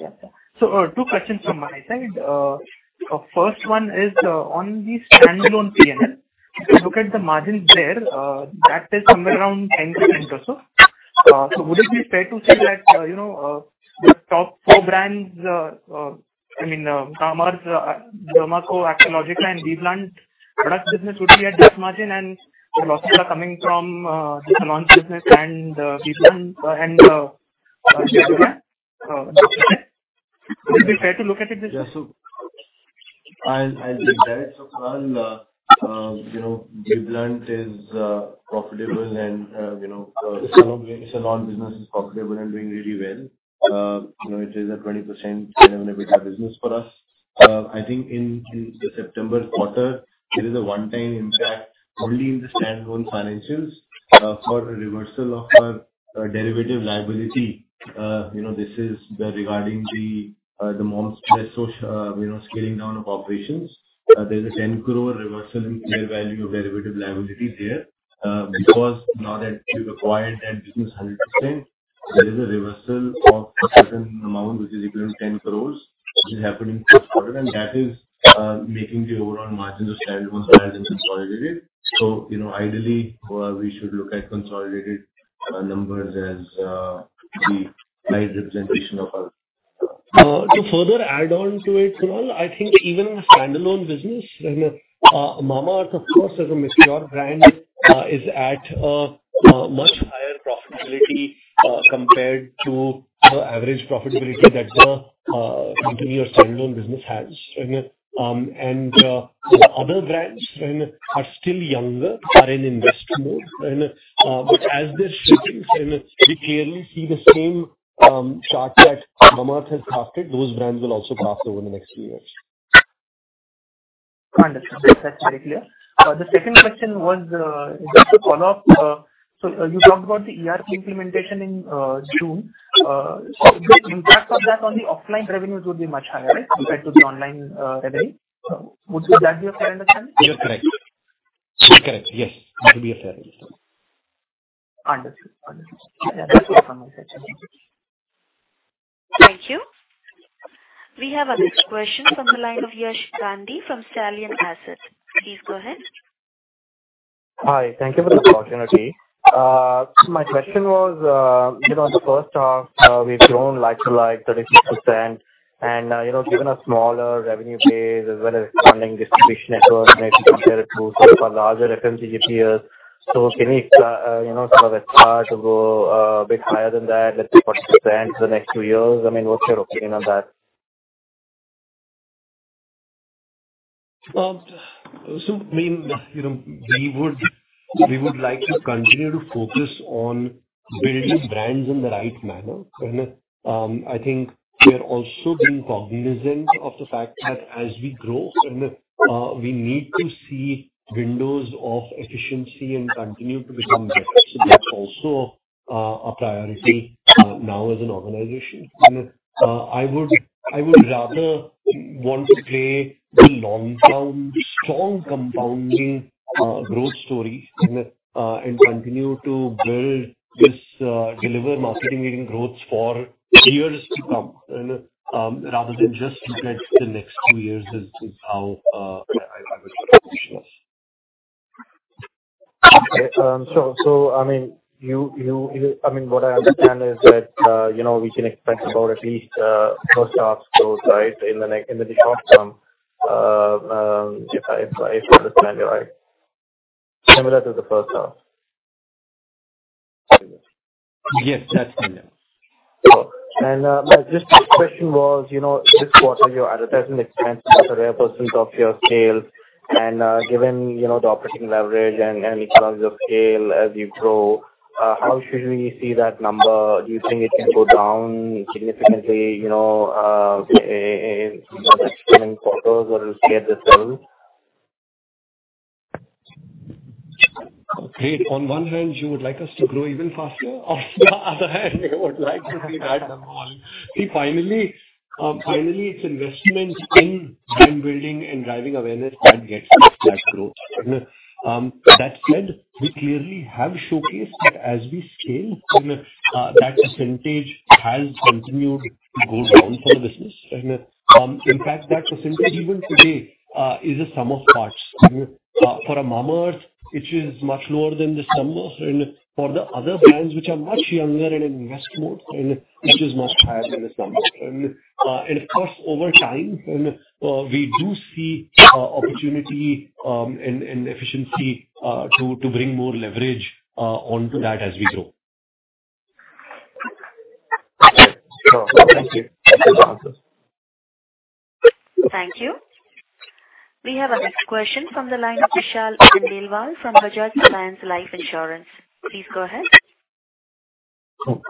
Yes, sir. So, two questions from my side. First one is, on the standalone PNL. If you look at the margins there, that is somewhere around 10% or so. So would it be fair to say that, you know, the top four brands, I mean, Mamaearth, Derma Co, Aqualogica, and BBlunt product business would be at this margin, and the losses are coming from, the salon business and, BBlunt and would it be fair to look at it this way? I think that, so far, you know, BBlunt is profitable and, you know, so Salon business is profitable and doing really well. You know, it is a 20% EBITDA business for us. I think in the September quarter, it is a one-time, in fact, only in the standalone financials, for a reversal of our derivative liability. You know, this is regarding The Moms Co., you know, scaling down of operations. There's an 10 crore reversal in fair value of derivative liability there, because now that you've acquired that business 100%, there is a reversal of a certain amount, which is equivalent to 10 crore, which is happening this quarter, and that is making the overall margins of standalone and consolidated. So, you know, ideally, we should look at consolidated numbers as the right representation of us. To further add on to it, so I think even standalone business, right, Mamaearth, of course, as a mature brand, is at a much higher profitability compared to the average profitability that the continuing or standalone business has, right? And the other brands then are still younger, are in invest mode, and but as they're sitting and we clearly see the same chart that Mamaearth has passed, those brands will also pass over the next few years. Understood. That's very clear. The second question was, just to follow up, so you talked about the ERP implementation in June. So the impact of that on the offline revenues would be much higher, right, compared to the online revenue? Would that be a fair understanding? You are correct. Correct. Yes, that would be a fair understanding. Understood. Understood. Yeah, that's all from my side. Thank you. Thank you. We have our next question from the line of Yash Gandhi from Stallion Assets. Please go ahead. Hi, thank you for this opportunity. My question was, you know, in the first half, we've grown like to like 36% and, you know, given a smaller revenue base as well as funding distribution network, and if you compare it to our larger FMCG peers, so can you, you know, kind of expect to go, a bit higher than that, let's say, 40% for the next few years? I mean, what's your opinion on that? So, I mean, you know, we would like to continue to focus on building brands in the right manner. And, I think we are also being cognizant of the fact that as we grow, and we need to see windows of efficiency and continue to become better. So that's also a priority now as an organization. And, I would rather want to play the long-term, strong compounding growth story, and continue to build this, deliver market-leading growth for years to come, and rather than just look at the next few years is how I would look at this. Okay. So, I mean, what I understand is that, you know, we can expect about at least first half growth, right, in the next, in the short term, if I understand you right. Similar to the first half. Yes, that's correct. My just question was, you know, this quarter, your advertisement expense was 8% of your sales and, given, you know, the operating leverage and economies of scale as you grow, how should we see that number? Do you think it can go down significantly, you know, in the next coming quarters or it will stay the same? Okay. On one hand, you would like us to grow even faster. On the other hand, you would like to see that number come down. See, finally, it's investment in brand building and driving awareness that gets us that growth. That said, we clearly have showcased that as we scale, that percentage has continued to go down for the business. In fact, that percentage even today is a sum of parts. For a Mamaearth, which is much lower than the sum, and for the other brands, which are much younger and in invest mode, and which is much higher than the sum. And, of course, over time, we do see opportunity, and efficiency, to bring more leverage onto that as we grow. Sure. Thank you. Thank you. We have our next question from the line of Vishal Agarwal from Bajaj Allianz Life Insurance. Please go ahead.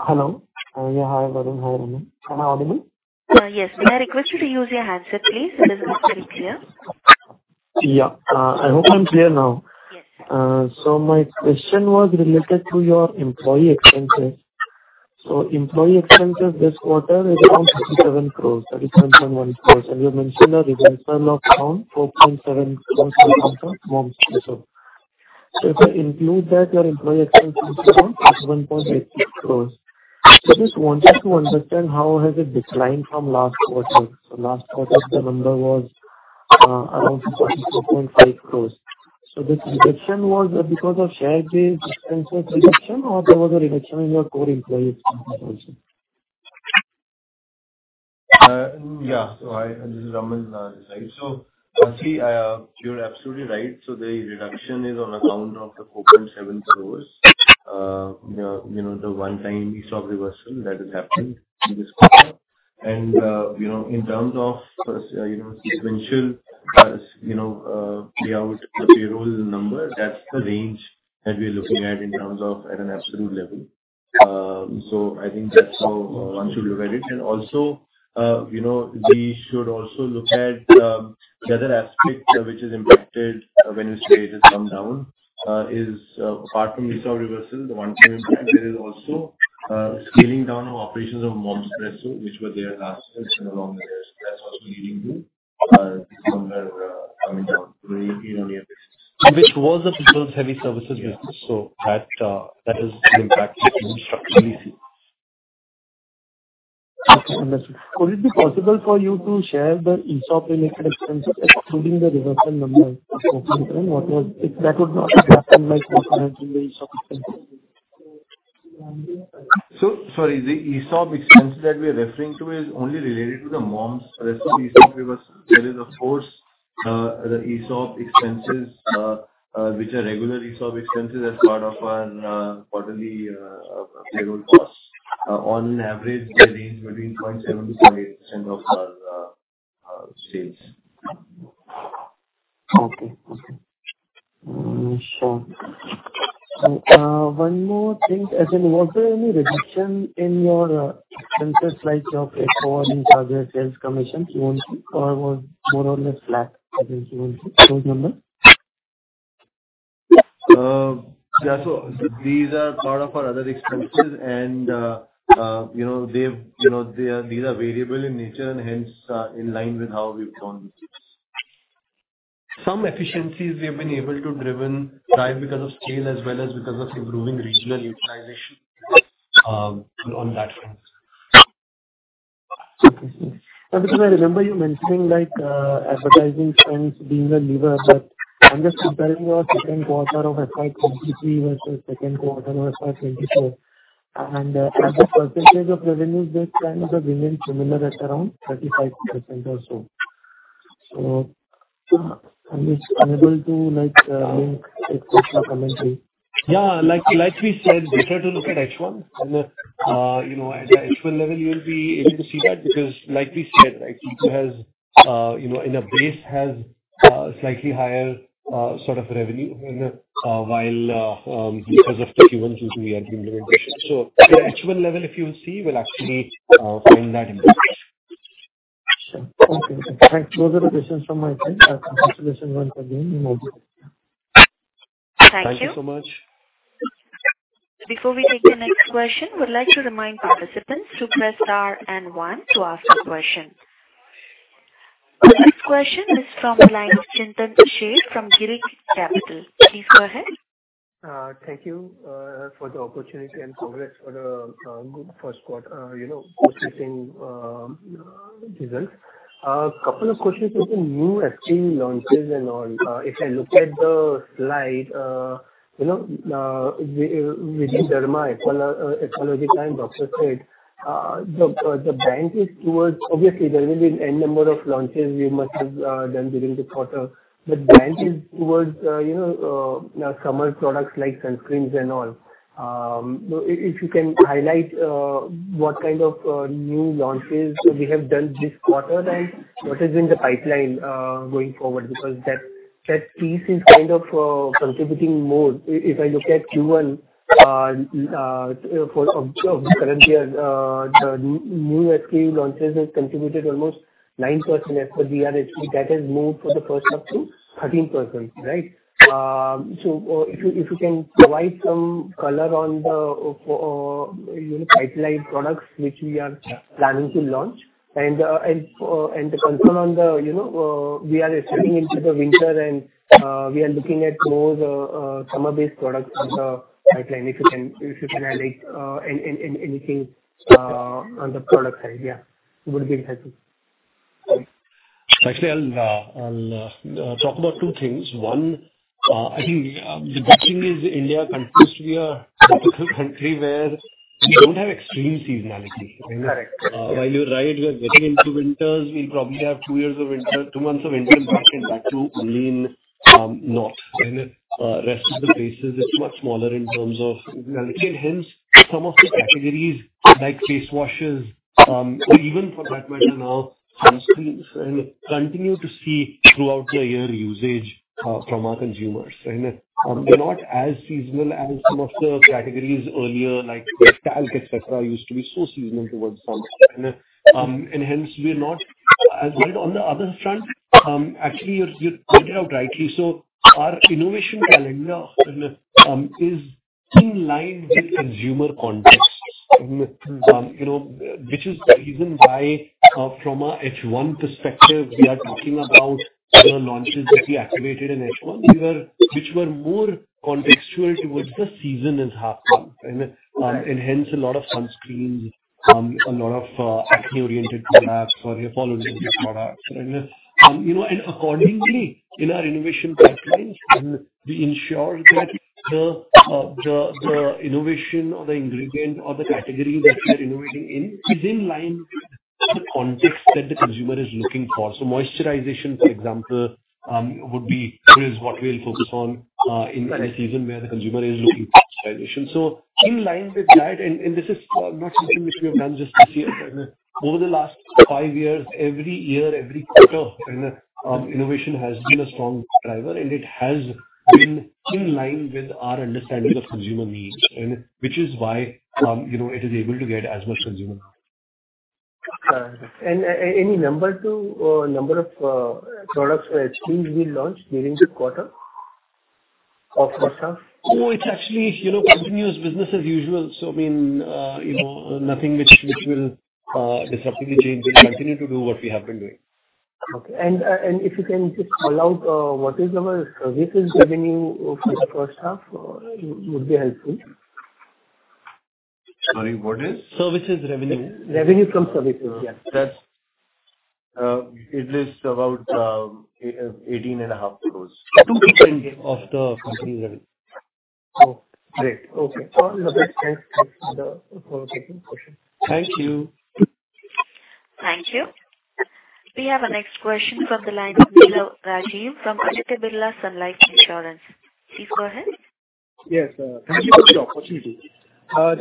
Hello. Yeah, hi, everyone. Hi, Raman. Can you all hear me? Yes. May I request you to use your handset, please? It is not very clear. Yeah. I hope I'm clear now. Yes. So my question was related to your employee expenses. So employee expenses this quarter is around 57 crores, 37.1 crores, and you mentioned a reversal of around 4.7 crores. So if I include that, your employee expenses is around 11.86 crores. So I just wanted to understand how has it declined from last quarter? So last quarter, the number was around 44.5 crores. So this reduction was because of shared expenses reduction or there was a reduction in your core employee expenses also? Yeah. So I, this is Raman, this side. So actually, you're absolutely right. So the reduction is on account of the ESOP 7 crore. You know, the one-time reversal we saw that has happened in this quarter. And, you know, in terms of, you know, sequential, you know, payout, the payroll number, that's the range that we are looking at in terms of at an absolute level. So I think that's how one should look at it. And also, you know, we should also look at, the other aspect which is impacted when you say it has come down, is, apart from the ESOP reversal, the one-time impact, there is also, scaling down of operations of Momspresso, which were there last year along the years. That's also leading to, somewhere, coming down. Which was a people-heavy services business so that, that is the impact structurally. Okay, understood. Would it be possible for you to share the ESOP related expenses, excluding the reversal number? What was—if that would not be possible, my question had to be ESOP expense. So sorry, the ESOP expense that we are referring to is only related to the Momspresso ESOP reversal. There is, of course, the ESOP expenses, which are regular ESOP expenses as part of our quarterly payroll costs. On average, they range between 0.7%-0.8% of our sales. Okay. Okay. Sure. One more thing. Actually, was there any reduction in your expenses like your platform and other sales commissions Q1, or was more or less flat against Q1, those numbers? Yeah, so these are part of our other expenses, and, you know, they've, you know, these are variable in nature and hence, in line with how we've grown. Some efficiencies we have been able to drive right because of scale as well as because of improving regional utilization on that front. Okay. Because I remember you mentioning, like, advertising trends being a lever, but I'm just comparing our second quarter of FY2023 versus second quarter of FY2024, and, as a percentage of revenue, this trends have remained similar at around 35% or so. So I'm just unable to, like, link additional commentary. Yeah, like we said, better to look at H1. And, you know, at the H1 level, you'll be able to see that, because like we said, right, Q2 has, you know, in a base, has slightly higher sort of revenue in the while because of the Q1 due to the implementation. So the H1 level, if you see, will actually find that impact. Sure. Okay. Those are the questions from my end. Thank you once again. Thank you. Thank you so much. Before we take the next question, I would like to remind participants to press Star and One to ask a question. The next question is from Chintan Sheth from Girik Capital. Please go ahead. Thank you for the opportunity and congrats for the good first quarter, you know, publishing results. A couple of questions on the new SKUs launches and all. If I look at the slide, you know, with The Derma Co. and Dr. Sheth's, the bet is towards—obviously, there will be N number of launches you must have done during the quarter, but bet is towards, you know, summer products like sunscreens and all. So if you can highlight what kind of new launches we have done this quarter, right? What is in the pipeline going forward, because that piece is kind of contributing more. If I look at Q1 for the current year, the new SKU launches has contributed almost 9% as per DRHP. That has moved for the first half to 13%, right? So, if you can provide some color on the, you know, pipeline products which we are planning to launch and, and to confirm on the, you know, we are entering into the winter and, we are looking at more, summer-based products on the pipeline. If you can highlight anything on the product side, yeah, it would be helpful. Actually, I'll talk about two things. One, I think the good thing is India, country, we are a typical country where we don't have extreme seasonality. Correct. While you're right, we are getting into winters, we'll probably have two years of winter—two months of winter and back and back to lean, North. And, rest of the places, it's much smaller in terms of seasonality. Hence, some of the categories, like face washes, or even for that matter, now, sunscreens, continue to see throughout the year usage, from our consumers. And, they're not as seasonal as some of the categories earlier, like talc, et cetera, used to be so seasonal towards summer. And hence we are not. As on the, on the other front, actually, you, you pointed out rightly so. Our innovation calendar, is in line with consumer context. You know, which is the reason why, from a H1 perspective, we are talking about the launches that we activated in H1, which were more contextual towards the season is half done. And, and hence a lot of sunscreens, a lot of, acne-oriented products or Aqualogica products. And, you know, and accordingly, in our innovation pipelines, we ensure that the, the, the innovation or the ingredient or the category that we are innovating in is in line with the context that the consumer is looking for. So moisturization, for example, would be, is what we'll focus on, in a season where the consumer is looking for moisturization. So in line with that, and, and this is, not something which we have done just this year. Over the last five years, every year, every quarter, innovation has been a strong driver, and it has been in line with our understanding of consumer needs, and which is why, you know, it is able to get as much consumer. Any number to number of products which you will launch during this quarter of first half? Oh, it's actually, you know, continuous business as usual. So I mean, you know, nothing which will disruptively change. We continue to do what we have been doing. Okay. If you can just call out what is our services revenue for the first half, would be helpful. Sorry, what is? Services revenue. Revenue from services, yeah. That's it is about 18.5 crore. Of the company revenue. Oh, great. Okay. All right, thank you for taking question. Thank you. Thank you. We have our next question from the line of Milind Rajguru from Aditya Birla Sun Life Insurance. Please go ahead. Yes, thank you for the opportunity.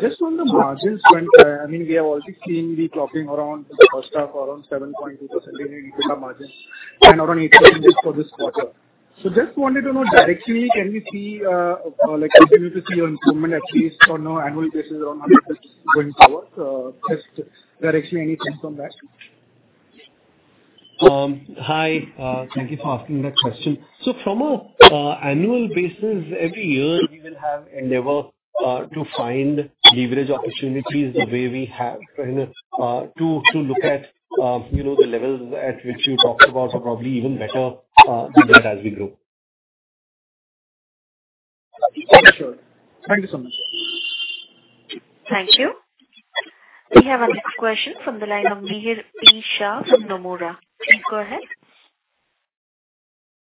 Just on the margins, when, I mean, we are already seeing we talking around the first half, around 7.2% margin and around 8% for this quarter. So just wanted to know, directionally, can we see, like, continue to see your improvement, at least for now, annual basis, around how it is going forward? Just directionally, any thoughts on that? Hi, thank you for asking that question. So from an annual basis, every year we will have endeavor to find leverage opportunities the way we have, right, to look at, you know, the levels at which you talked about are probably even better than that as we grow. Sure. Thank you so much. Thank you. We have our next question from the line of Mihir P. Shah from Nomura. Please go ahead.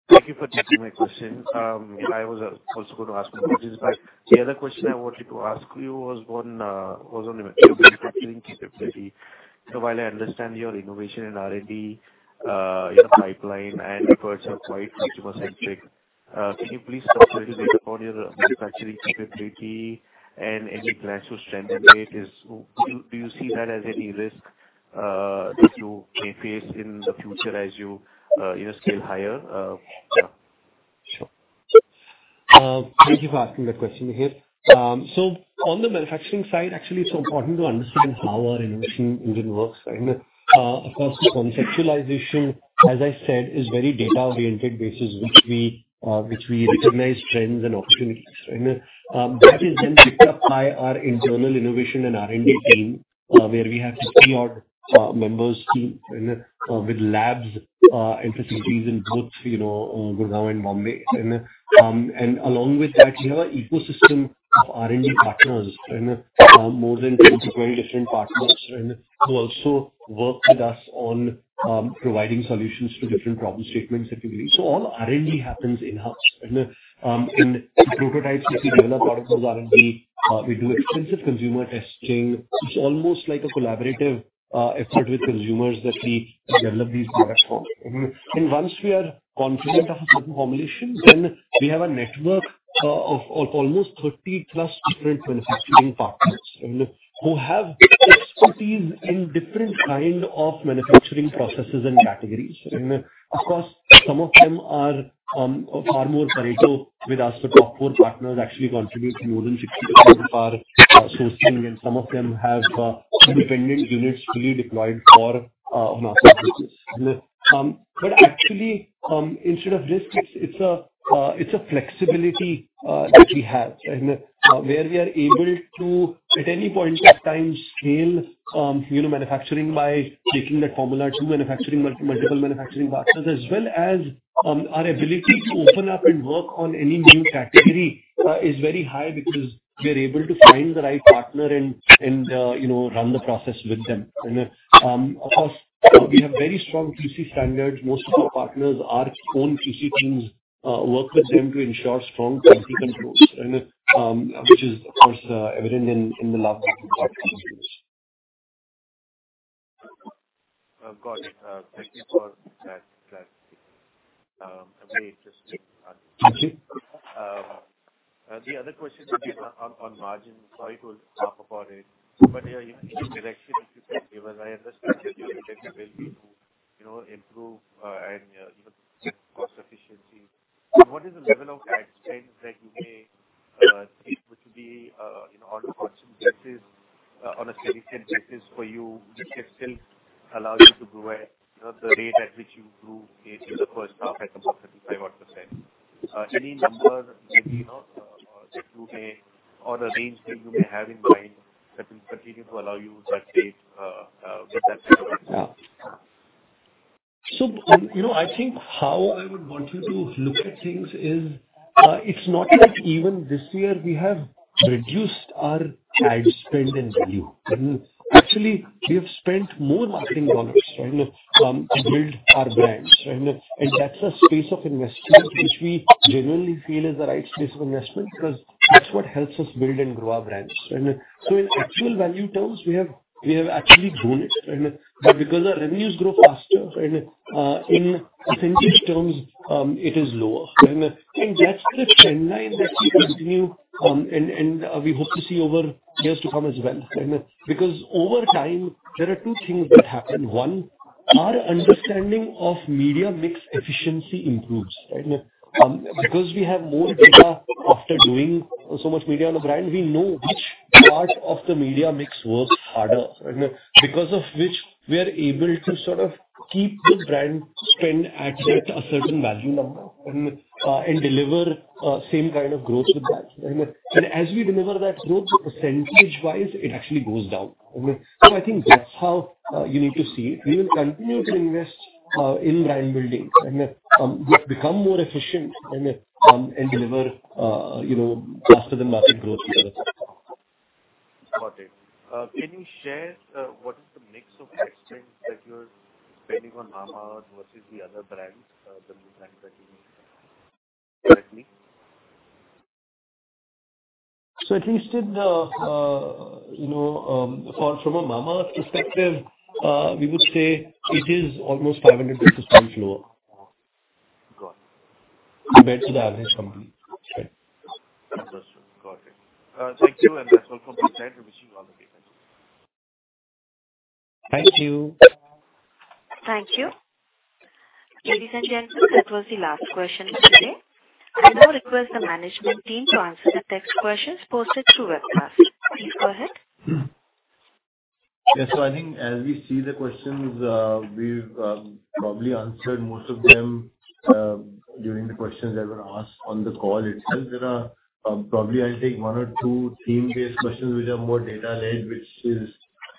Thank you for taking my question. I was also going to ask you about this, but the other question I wanted to ask you was on the manufacturing capability. So while I understand your innovation and R&D in the pipeline and products are quite customer-centric, can you please talk little bit upon your manufacturing capability and any plans to strengthen it? Do you see that as any risk that you may face in the future as you, you know, scale higher? Yeah. Sure. Thank you for asking that question, Mihir. So on the manufacturing side, actually it's important to understand how our innovation engine works, right? Of course, the conceptualization, as I said, is very data-oriented basis, which we recognize trends and opportunities, right? That is then picked up by our internal innovation and R&D team, where we have 50-odd members with labs and facilities in both, you know, Gurgaon and Bombay. And along with that, we have an ecosystem of R&D partners, and more than 20 different partners, who also work with us on providing solutions to different problem statements that we need. So all R&D happens in-house. And in prototypes, we develop out of those R&D, we do extensive consumer testing. It's almost like a collaborative effort with consumers that we develop these products from. Once we are confident of a certain formulation, then we have a network of almost 30+ different manufacturing partners, and who have expertise in different kind of manufacturing processes and categories. Of course, some of them are far more critical with us. The top 4 partners actually contribute more than 60% of our sourcing, and some of them have independent units fully deployed for our business. But actually, instead of risk, it's a flexibility that we have, right? Where we are able to, at any point of time, scale, you know, manufacturing by taking that formula to manufacturing, multiple manufacturing partners, as well as, our ability to open up and work on any new category, is very high because we're able to find the right partner and, you know, run the process with them. Of course, we have very strong QC standards. Most of our partners, our own QC teams, work with them to ensure strong quality controls, and, which is of course, evident in the last couple of years. Got it. Thank you for that, very interesting. Thank you. The other question would be on margin. Sorry to talk about it, but any direction you could give us? I understand that, you know, improve and cost efficiency. What is the level of margin that you may able to be, you know, on a constant basis, on a significant basis for you, which itself allows you to grow at the rate at which you grew it in the first half at about 35-odd%? Any number that you know, or that you may or a range that you may have in mind that will continue to allow you that rate, with that? So, you know, I think how I would want you to look at things. It's not that even this year we have reduced our ad spend and value. Actually, we have spent more marketing dollars, right, to build our brands, right? And that's a space of investment which we generally feel is the right space of investment, because that's what helps us build and grow our brands, right? So in actual value terms, we have, we have actually grown it, right? But because our revenues grow faster, right, in percentage terms, it is lower. And that's the trend line that we continue, and we hope to see over years to come as well. Because over time, there are two things that happen. One, our understanding of media mix efficiency improves, right? Because we have more data after doing so much media on a brand, we know which part of the media mix works harder, right? Because of which we are able to sort of keep the brand spend at a certain value number, and deliver same kind of growth with that, right? And as we deliver that growth, so percentage-wise, it actually goes down. So I think that's how you need to see it. We will continue to invest in brand building, and and deliver you know, faster than market growth. Got it. Can you share what is the mix of ad spend that you're spending on Mamaearth versus the other brands, the new brands that you mentioned, currently? So at least in the, you know, from a Mamaearth perspective, we would say it is almost 500 basis points lower. Got it. Compared to the average company. Understood. Got it. Thank you, and that's all from my side. Wishing you all the best. Thank you. Thank you. Ladies and gentlemen, that was the last question today. I now request the management team to answer the text questions posted through webcast. Please go ahead. Yes, so I think as we see the questions, we've probably answered most of them during the questions that were asked on the call itself. There are probably, I think, one or two theme-based questions which are more data-led, which is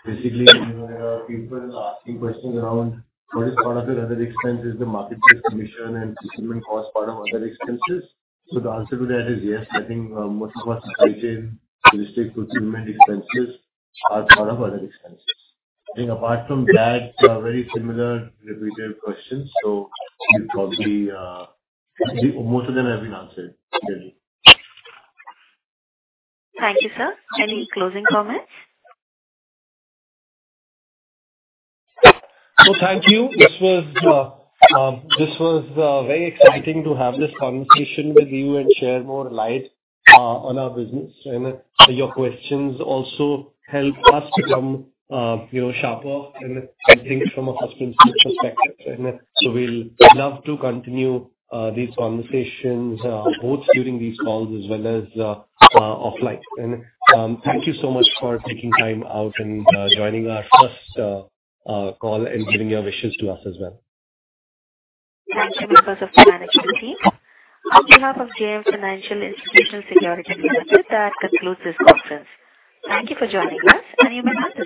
basically, you know, people asking questions around what is part of your other expenses, the marketplace commission and fulfillment costs, part of other expenses? So the answer to that is yes. I think most of our expenses related to fulfillment expenses are part of other expenses. I think apart from that, very similar repeated questions. So we probably most of them have been answered. Thank you, sir. Any closing comments? So thank you. This was very exciting to have this conversation with you and share more light on our business. And your questions also help us become, you know, sharper and think from a customer perspective. And so we'll love to continue these conversations both during these calls as well as offline. And thank you so much for taking time out and joining our first call and giving your wishes to us as well. Thank you, members of the management team. On behalf of JM Financial Institutional Securities, that concludes this conference. Thank you for joining us, and you may now disconnect.